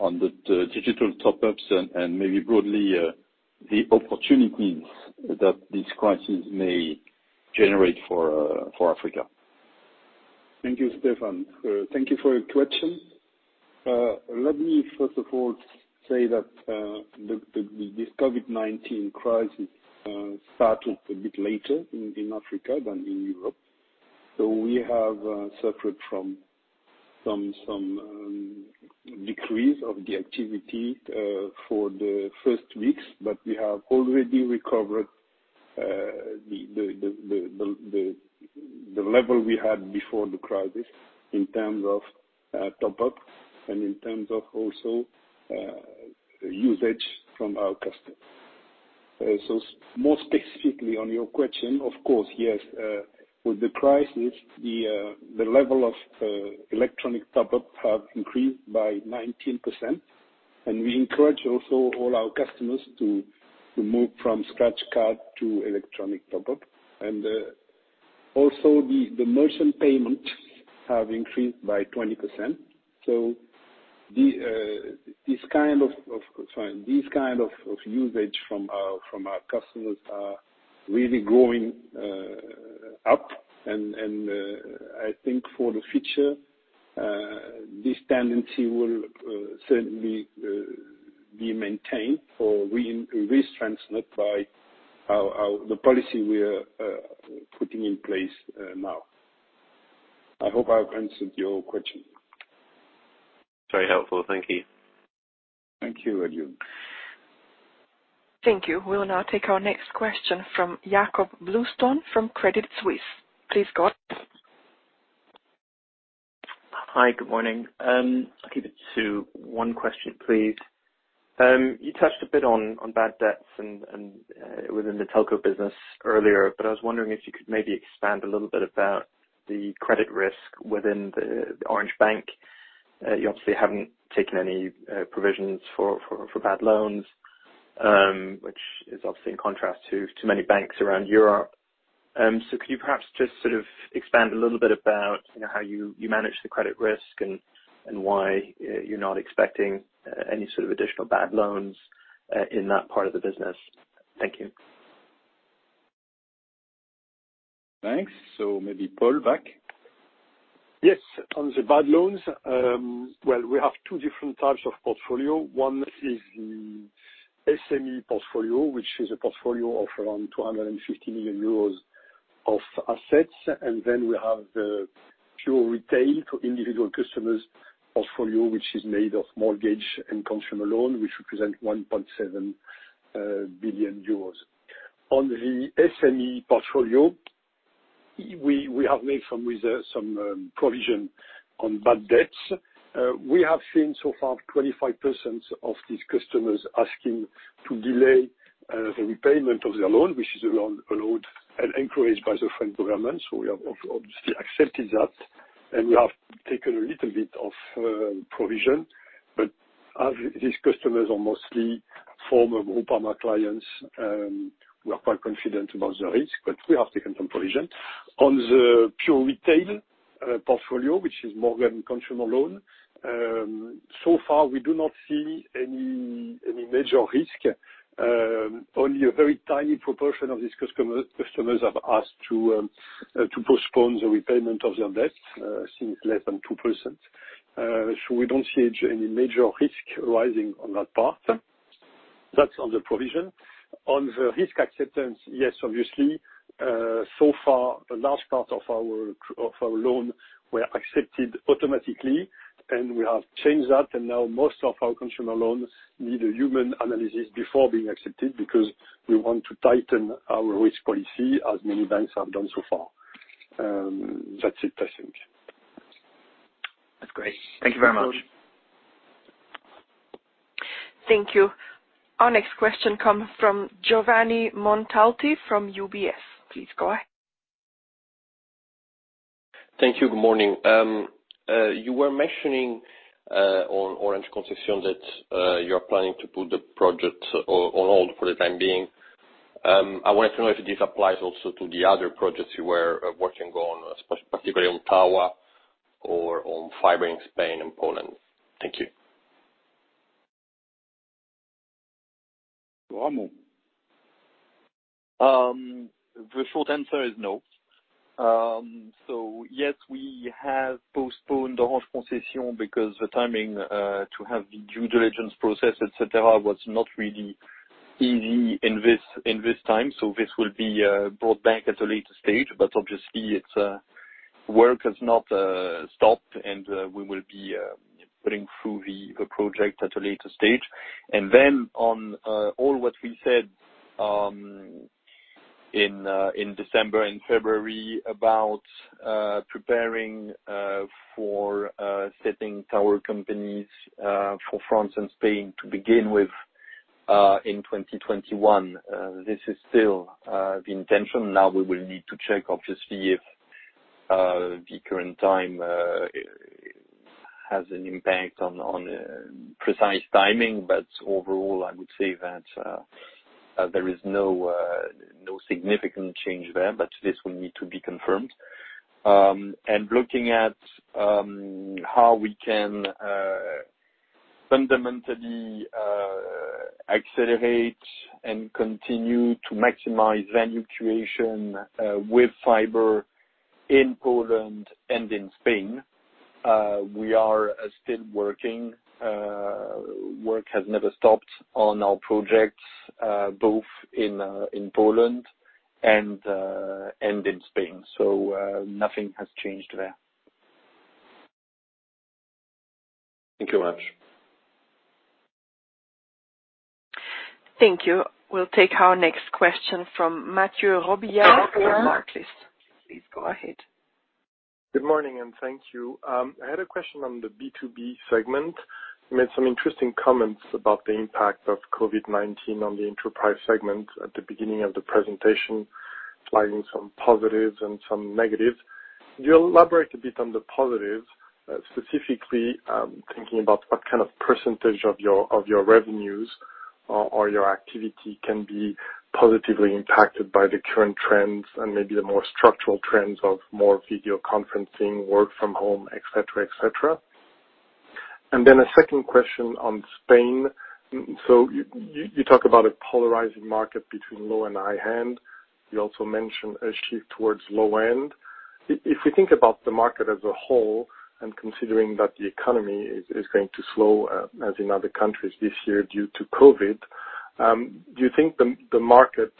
on the digital top-ups and maybe broadly the opportunities that this crisis may generate for Africa. Thank you, Stephane. Thank you for your question. Let me, first of all, say that this COVID-19 crisis started a bit later in Africa than in Europe. We have suffered from some decrease of the activity for the first weeks, but we have already recovered the level we had before the crisis in terms of top-up and in terms of also usage from our customers. More specifically on your question, of course, yes. With the crisis, the level of electronic top-ups has increased by 19%. We encourage also all our customers to move from scratch card to electronic top-up. Also, the merchant payments have increased by 20%. This kind of usage from our customers is really growing up. I think for the future, this tendency will certainly be maintained or be retransmitted by the policy we are putting in place now. I hope I've answered your question. Very helpful. Thank you. Thank you, Adjovi. Thank you. We'll now take our next question from Jakob Bluestone from Credit Suisse. Please go ahead. Hi. Good morning. I'll keep it to one question, please. You touched a bit on bad debts within the telco business earlier, but I was wondering if you could maybe expand a little bit about the credit risk within the Orange Bank. You obviously haven't taken any provisions for bad loans, which is obviously in contrast to many banks around Europe. Could you perhaps just sort of expand a little bit about how you manage the credit risk and why you're not expecting any sort of additional bad loans in that part of the business? Thank you. Thanks. Maybe Paul back. Yes. On the bad loans, we have two different types of portfolio. One is the SME portfolio, which is a portfolio of around 250 million euros of assets. Then we have the pure retail to individual customers portfolio, which is made of mortgage and consumer loan, which represents 1.7 billion euros. On the SME portfolio, we have made some provision on bad debts. We have seen so far 25% of these customers asking to delay the repayment of their loan, which is a loan encouraged by the French government. We have obviously accepted that. We have taken a little bit of provision. These customers are mostly former Groupama clients. We are quite confident about the risk, but we have taken some provision. On the pure retail portfolio, which is more than consumer loan, so far we do not see any major risk. Only a very tiny proportion of these customers have asked to postpone the repayment of their debts since less than 2%. We do not see any major risk arising on that part. That is on the provision. On the risk acceptance, yes, obviously. So far, a large part of our loan were accepted automatically, and we have changed that. Now most of our consumer loans need a human analysis before being accepted because we want to tighten our risk policy as many banks have done so far. That is it, I think. That is great. Thank you very much. Thank you. Our next question comes from Giovanni Montalti from UBS. Please go ahead. Thank you. Good morning. You were mentioning on Orange Concession that you are planning to put the project on hold for the time being. I wanted to know if this applies also to the other projects you were working on, particularly on TAWA or on fiber in Spain and Poland. Thank you. Ramon. The short answer is no. Yes, we have postponed Orange Concession because the timing to have the due diligence process, etc., was not really easy in this time. This will be brought back at a later stage. Obviously, work has not stopped, and we will be putting through the project at a later stage. On all what we said in December and February about preparing for setting tower companies for France and Spain to begin with in 2021, this is still the intention. Now we will need to check, obviously, if the current time has an impact on precise timing. Overall, I would say that there is no significant change there, but this will need to be confirmed. Looking at how we can fundamentally accelerate and continue to maximize value creation with fiber in Poland and in Spain, we are still working. Work has never stopped on our projects, both in Poland and in Spain. Nothing has changed there. Thank you very much. Thank you. We'll take our next question from Mathieu Robilliard from Barclays. Please go ahead. Good morning and thank you. I had a question on the B2B segment. You made some interesting comments about the impact of COVID-19 on the enterprise segment at the beginning of the presentation, flagging some positives and some negatives. Could you elaborate a bit on the positives, specifically thinking about what kind of percentage of your revenues or your activity can be positively impacted by the current trends and maybe the more structural trends of more video conferencing, work from home, etc., etc.? A second question on Spain. You talk about a polarizing market between low and high-end. You also mentioned a shift towards low-end. If we think about the market as a whole and considering that the economy is going to slow, as in other countries this year due to COVID, do you think the market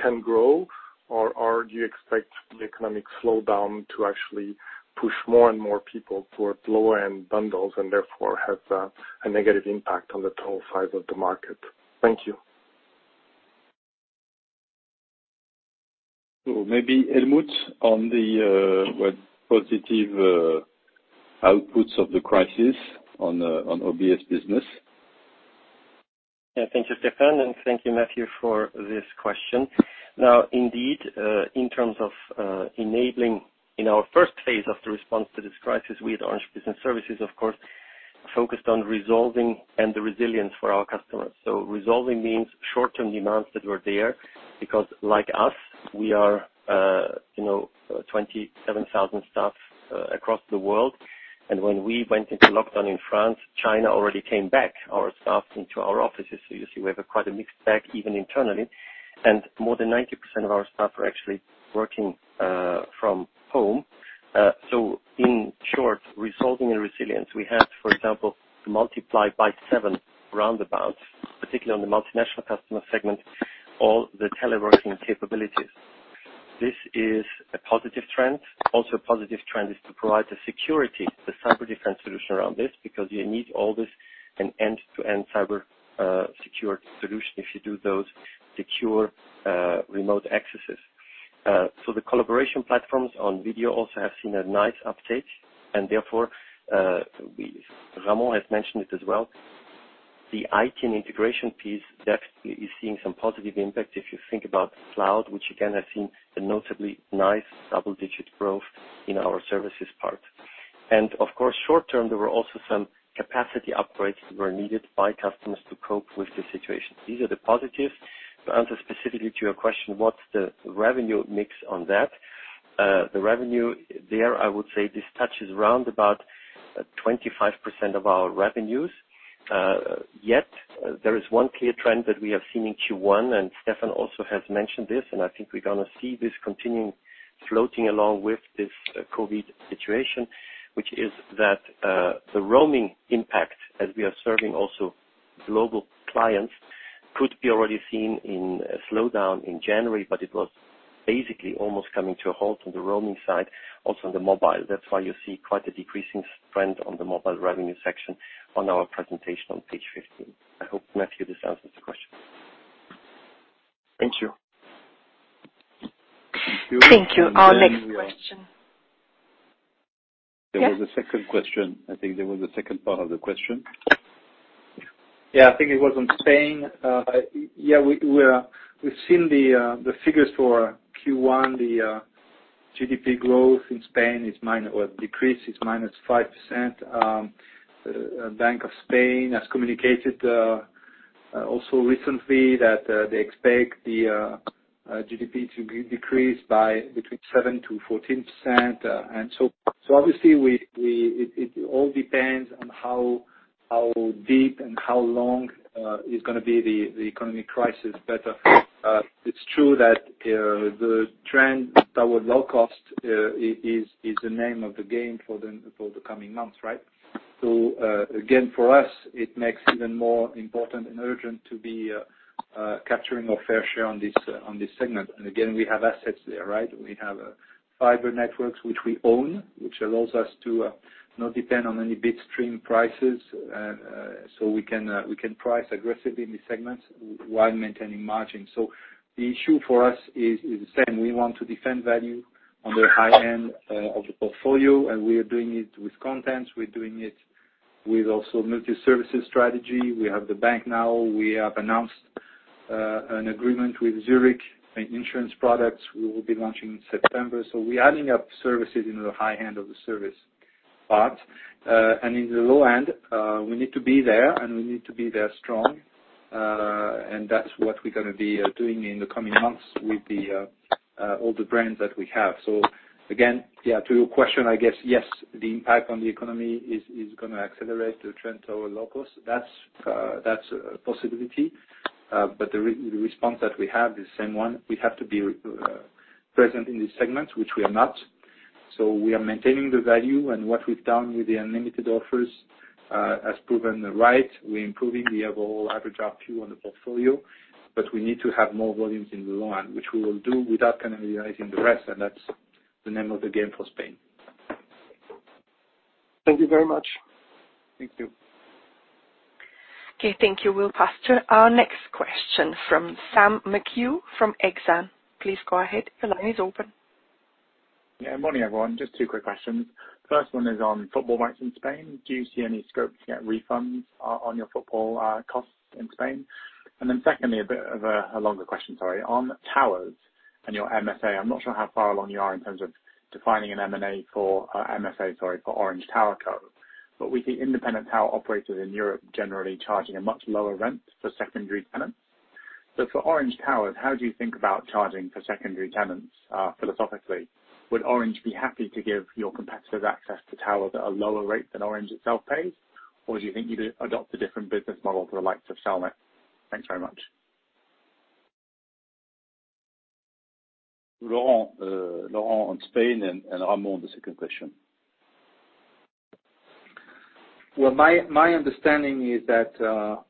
can grow, or do you expect the economic slowdown to actually push more and more people towards low-end bundles and therefore have a negative impact on the total size of the market? Thank you. Maybe Helmut on the positive outputs of the crisis on OBS business. Yeah. Thank you, Stephane, and thank you, Matthieu, for this question. Now, indeed, in terms of enabling in our first phase of the response to this crisis, we at Orange Business Services, of course, focused on resolving and the resilience for our customers. Resolving means short-term demands that were there because, like us, we are 27,000 staff across the world. When we went into lockdown in France, China already came back, our staff, into our offices. You see we have quite a mixed bag even internally. More than 90% of our staff are actually working from home. In short, resolving and resilience, we had, for example, multiplied by seven roundabouts, particularly on the multinational customer segment, all the teleworking capabilities. This is a positive trend. Also, a positive trend is to provide the security, the cyber defense solution around this because you need all this end-to-end cyber secure solution if you do those secure remote accesses. The collaboration platforms on video also have seen a nice uptake. Therefore, Ramon has mentioned it as well, the IT and integration piece definitely is seeing some positive impact. If you think about cloud, which again has seen a notably nice double-digit growth in our services part. Of course, short-term, there were also some capacity upgrades that were needed by customers to cope with the situation. These are the positives. To answer specifically to your question, what's the revenue mix on that? The revenue there, I would say, this touches roundabout 25% of our revenues. Yet there is one clear trend that we have seen in Q1, and Stephane also has mentioned this, and I think we're going to see this continuing floating along with this COVID situation, which is that the roaming impact, as we are serving also global clients, could be already seen in a slowdown in January, but it was basically almost coming to a halt on the roaming side, also on the mobile. That's why you see quite a decreasing trend on the mobile revenue section on our presentation on page 15. I hope, Matthieu, this answers the question. Thank you. Thank you. Thank you. Our next question. There was a second question. I think there was a second part of the question. Yeah. I think it was on Spain. Yeah. We've seen the figures for Q1. The GDP growth in Spain decreased by 5%. Bank of Spain has communicated also recently that they expect the GDP to decrease by between 7-14%. Obviously, it all depends on how deep and how long is going to be the economic crisis. It is true that the trend toward low cost is the name of the game for the coming months, right? Again, for us, it makes it even more important and urgent to be capturing our fair share on this segment. Again, we have assets there, right? We have fiber networks, which we own, which allows us to not depend on any bitstream prices. We can price aggressively in these segments while maintaining margin. The issue for us is the same. We want to defend value on the high-end of the portfolio, and we are doing it with contents. We are doing it with also multi-services strategy. We have the bank now. We have announced an agreement with Zurich Insurance Products. We will be launching in September. We are adding up services in the high-end of the service part. In the low-end, we need to be there, and we need to be there strong. That is what we are going to be doing in the coming months with all the brands that we have. Again, to your question, I guess, yes, the impact on the economy is going to accelerate the trend toward low cost. That is a possibility. The response that we have is the same one. We have to be present in these segments, which we are not. We are maintaining the value, and what we have done with the unlimited offers has proven right. We're improving the overall average ARPU on the portfolio, but we need to have more volumes in the low-end, which we will do without penalizing the rest. That's the name of the game for Spain. Thank you very much. Thank you. Okay. Thank you, we will pass to Our next question from Sam McHugh from Exane. Please go ahead. Your line is open. Yeah. Good morning, everyone. Just two quick questions. First one is on football rights in Spain. Do you see any scope to get refunds on your football costs in Spain? Then secondly, a bit of a longer question, sorry, on towers and your MSA. I'm not sure how far along you are in terms of defining an MSA for Orange Tower Co. We see independent tower operators in Europe generally charging a much lower rent for secondary tenants. For Orange Towers, how do you think about charging for secondary tenants philosophically? Would Orange be happy to give your competitors access to towers at a lower rate than Orange itself pays, or do you think you'd adopt a different business model for the likes of Cellnex? Thanks very much. Laurent in Spain and Ramon, the second question. My understanding is that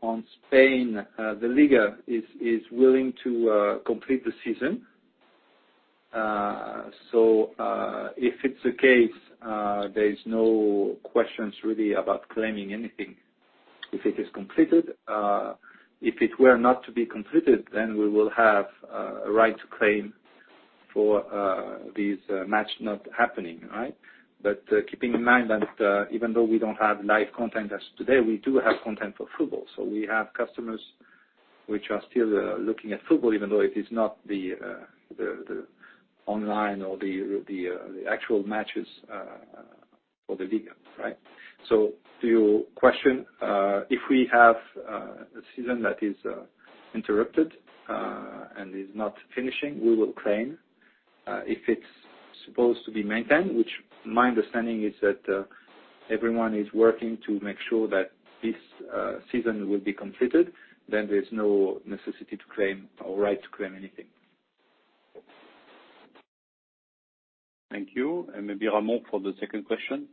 in Spain, the Liga is willing to complete the season. If it is the case, there are no questions really about claiming anything if it is completed. If it were not to be completed, then we will have a right to claim for these matches not happening, right? Keeping in mind that even though we do not have live content as of today, we do have content for football. We have customers which are still looking at football, even though it is not the online or the actual matches for the Liga, right? To your question, if we have a season that is interrupted and is not finishing, we will claim. If it is supposed to be maintained, which my understanding is that everyone is working to make sure that this season will be completed, then there is no necessity to claim or right to claim anything. Thank you. Maybe Ramon for the second question.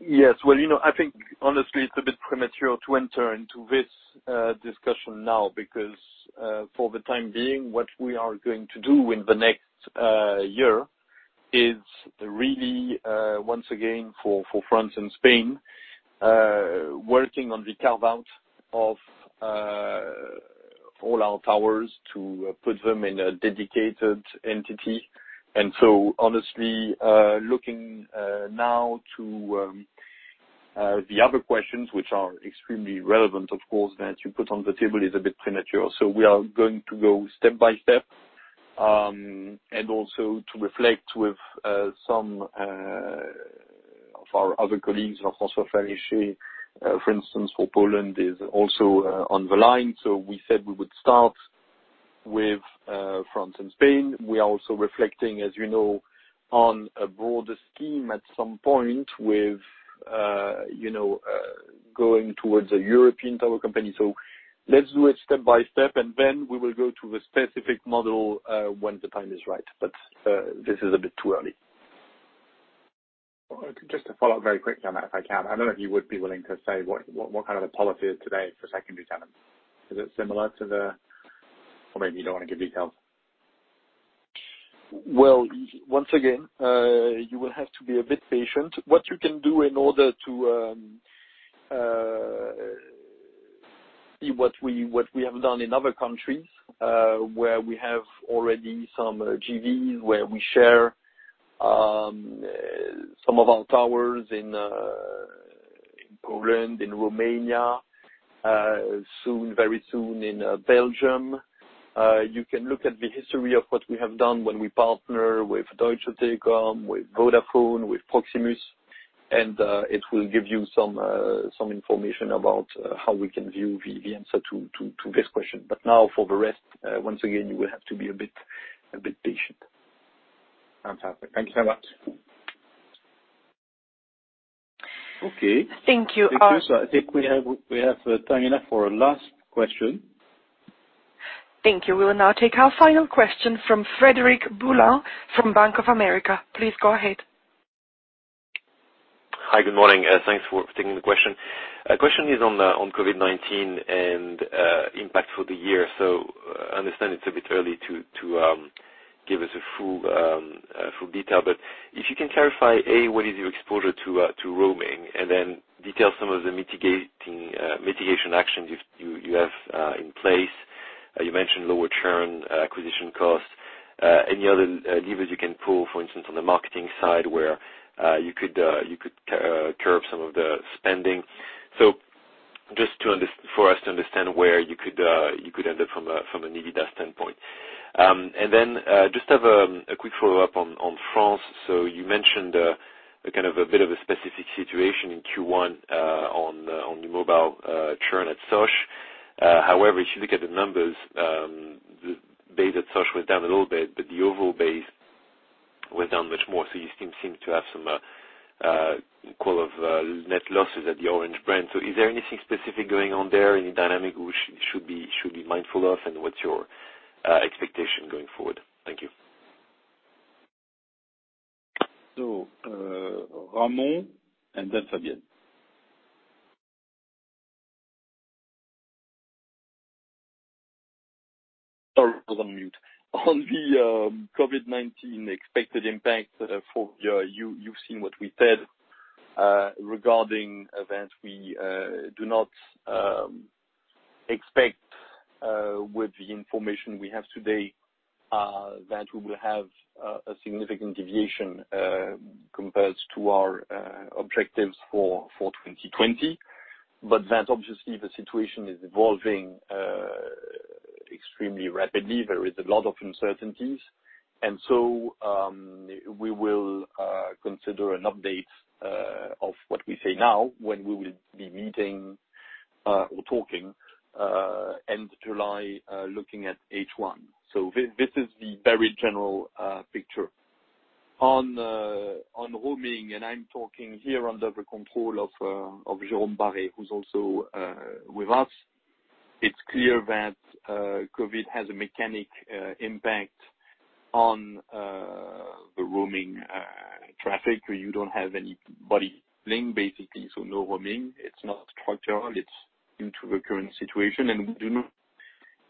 Yes. I think, honestly, it is a bit premature to enter into this discussion now because for the time being, what we are going to do in the next year is really, once again, for France and Spain, working on the carve-out of all our towers to put them in a dedicated entity. Honestly, looking now to the other questions, which are extremely relevant, of course, that you put on the table, it is a bit premature. We are going to go step by step and also reflect with some of our other colleagues. François Farichet, for instance, for Poland, is also on the line. We said we would start with France and Spain. We are also reflecting, as you know, on a broader scheme at some point with going towards a European tower company. Let us do it step by step, and then we will go to the specific model when the time is right. This is a bit too early. Just to follow up very quickly on that, if I can, I do not know if you would be willing to say what kind of a policy is today for secondary tenants. Is it similar to the. Maybe you do not want to give details. Once again, you will have to be a bit patient. What you can do in order to see what we have done in other countries where we have already some JVs, where we share some of our towers in Poland, in Romania, soon, very soon, in Belgium. You can look at the history of what we have done when we partner with Deutsche Telekom, with Vodafone, with Proximus, and it will give you some information about how we can view the answer to this question. For the rest, once again, you will have to be a bit patient. Fantastic. Thank you so much. Okay. Thank you. I think we have time enough for a last question. Thank you. We will now take our final question from Frederic Boulan from Bank of America. Please go ahead. Hi. Good morning. Thanks for taking the question. The question is on COVID-19 and impact for the year. I understand it's a bit early to give us a full detail. If you can clarify, A, what is your exposure to roaming, and then detail some of the mitigation actions you have in place. You mentioned lower churn acquisition costs. Any other levers you can pull, for instance, on the marketing side where you could curb some of the spending? Just for us to understand where you could end up from a NPS standpoint. I just have a quick follow-up on France. You mentioned kind of a bit of a specific situation in Q1 on the mobile churn at SOSH. However, if you look at the numbers, the base at SOSH was down a little bit, but the overall base was down much more. You still seem to have some equal of net losses at the Orange brand. Is there anything specific going on there, any dynamic which you should be mindful of, and what is your expectation going forward? Thank you. Ramon and then Fabienne. Sorry for the mute. On the COVID-19 expected impact, you have seen what we said regarding events. We do not expect, with the information we have today, that we will have a significant deviation compared to our objectives for 2020. That, obviously, the situation is evolving extremely rapidly. There is a lot of uncertainties. We will consider an update of what we say now when we will be meeting or talking end July, looking at H1. This is the very general picture. On roaming, and I'm talking here under the control of Jérôme Barré, who's also with us, it's clear that COVID has a mechanic impact on the roaming traffic. You don't have anybody bling, basically, so no roaming. It's not structural. It's due to the current situation. We do not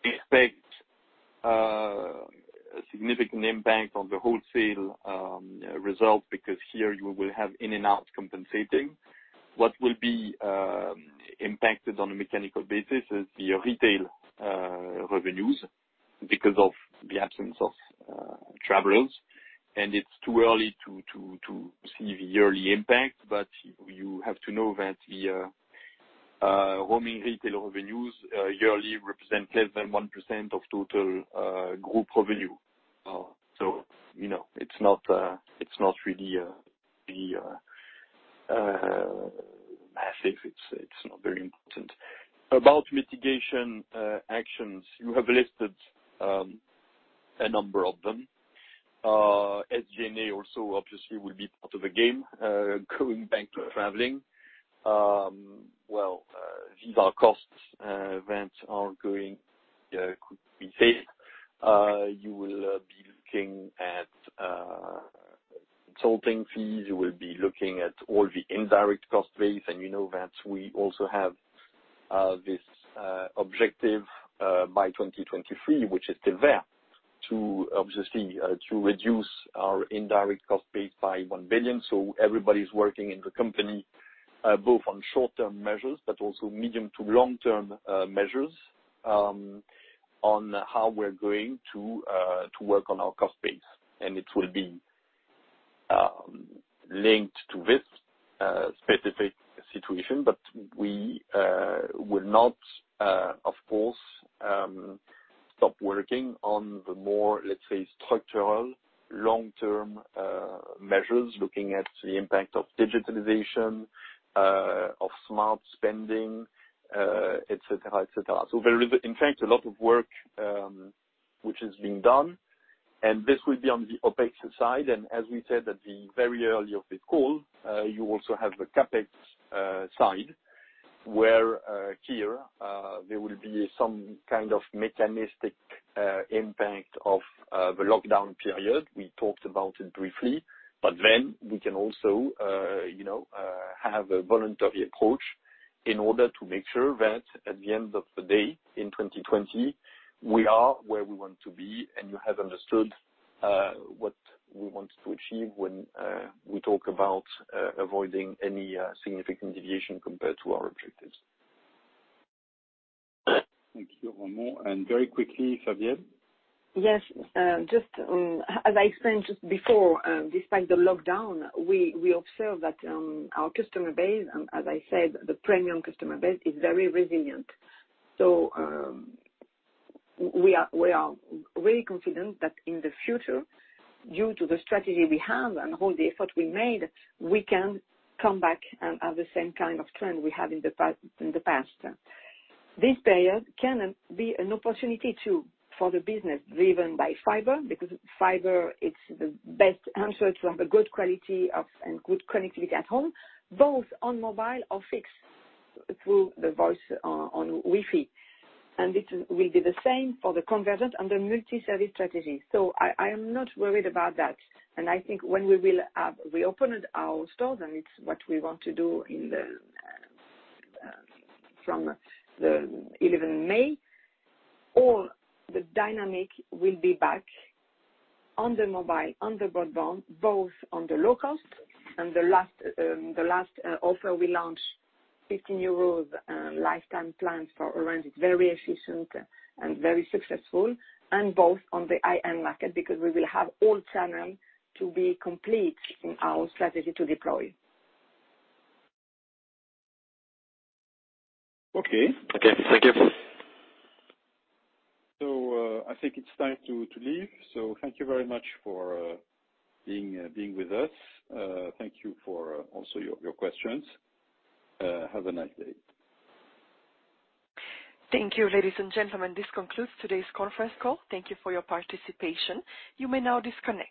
expect a significant impact on the wholesale result because here you will have in-and-out compensating. What will be impacted on a mechanical basis is the retail revenues because of the absence of travelers. It's too early to see the yearly impact, but you have to know that the roaming retail revenues yearly represent less than 1% of total group revenue. It's not really massive. It's not very important. About mitigation actions, you have listed a number of them. SG&A also, obviously, will be part of the game going back to traveling. These are costs that are going to be faced. You will be looking at consulting fees. You will be looking at all the indirect cost base. You know that we also have this objective by 2023, which is still there, to obviously reduce our indirect cost base by 1 billion. Everybody's working in the company both on short-term measures but also medium to long-term measures on how we're going to work on our cost base. It will be linked to this specific situation. We will not, of course, stop working on the more, let's say, structural long-term measures, looking at the impact of digitalization, of smart spending, etc., etc. There is, in fact, a lot of work which is being done. This will be on the OPEX side. As we said at the very early of this call, you also have the CapEx side where here there will be some kind of mechanistic impact of the lockdown period. We talked about it briefly. We can also have a voluntary approach in order to make sure that at the end of the day, in 2020, we are where we want to be. You have understood what we want to achieve when we talk about avoiding any significant deviation compared to our objectives. Thank you, Ramon. Very quickly, Fabienne? Yes. As I explained just before, despite the lockdown, we observed that our customer base, as I said, the premium customer base, is very resilient. We are really confident that in the future, due to the strategy we have and all the effort we made, we can come back and have the same kind of trend we had in the past. This period can be an opportunity too for the business driven by fiber because fiber, it's the best answer to have a good quality and good connectivity at home, both on mobile or fixed through the voice on WiFi. It will be the same for the convergent and the multi-service strategy. I am not worried about that. I think when we will have reopened our stores, and it's what we want to do from the 11th of May, all the dynamic will be back on the mobile, on the broadband, both on the low cost. The last offer we launched, 15 euros lifetime plan for Orange, is very efficient and very successful, and both on the high-end market because we will have all channels to be complete in our strategy to deploy. Okay. Thank you. I think it is time to leave. Thank you very much for being with us. Thank you for also your questions. Have a nice day. Thank you, ladies and gentlemen. This concludes today's conference call. Thank you for your participation. You may now disconnect.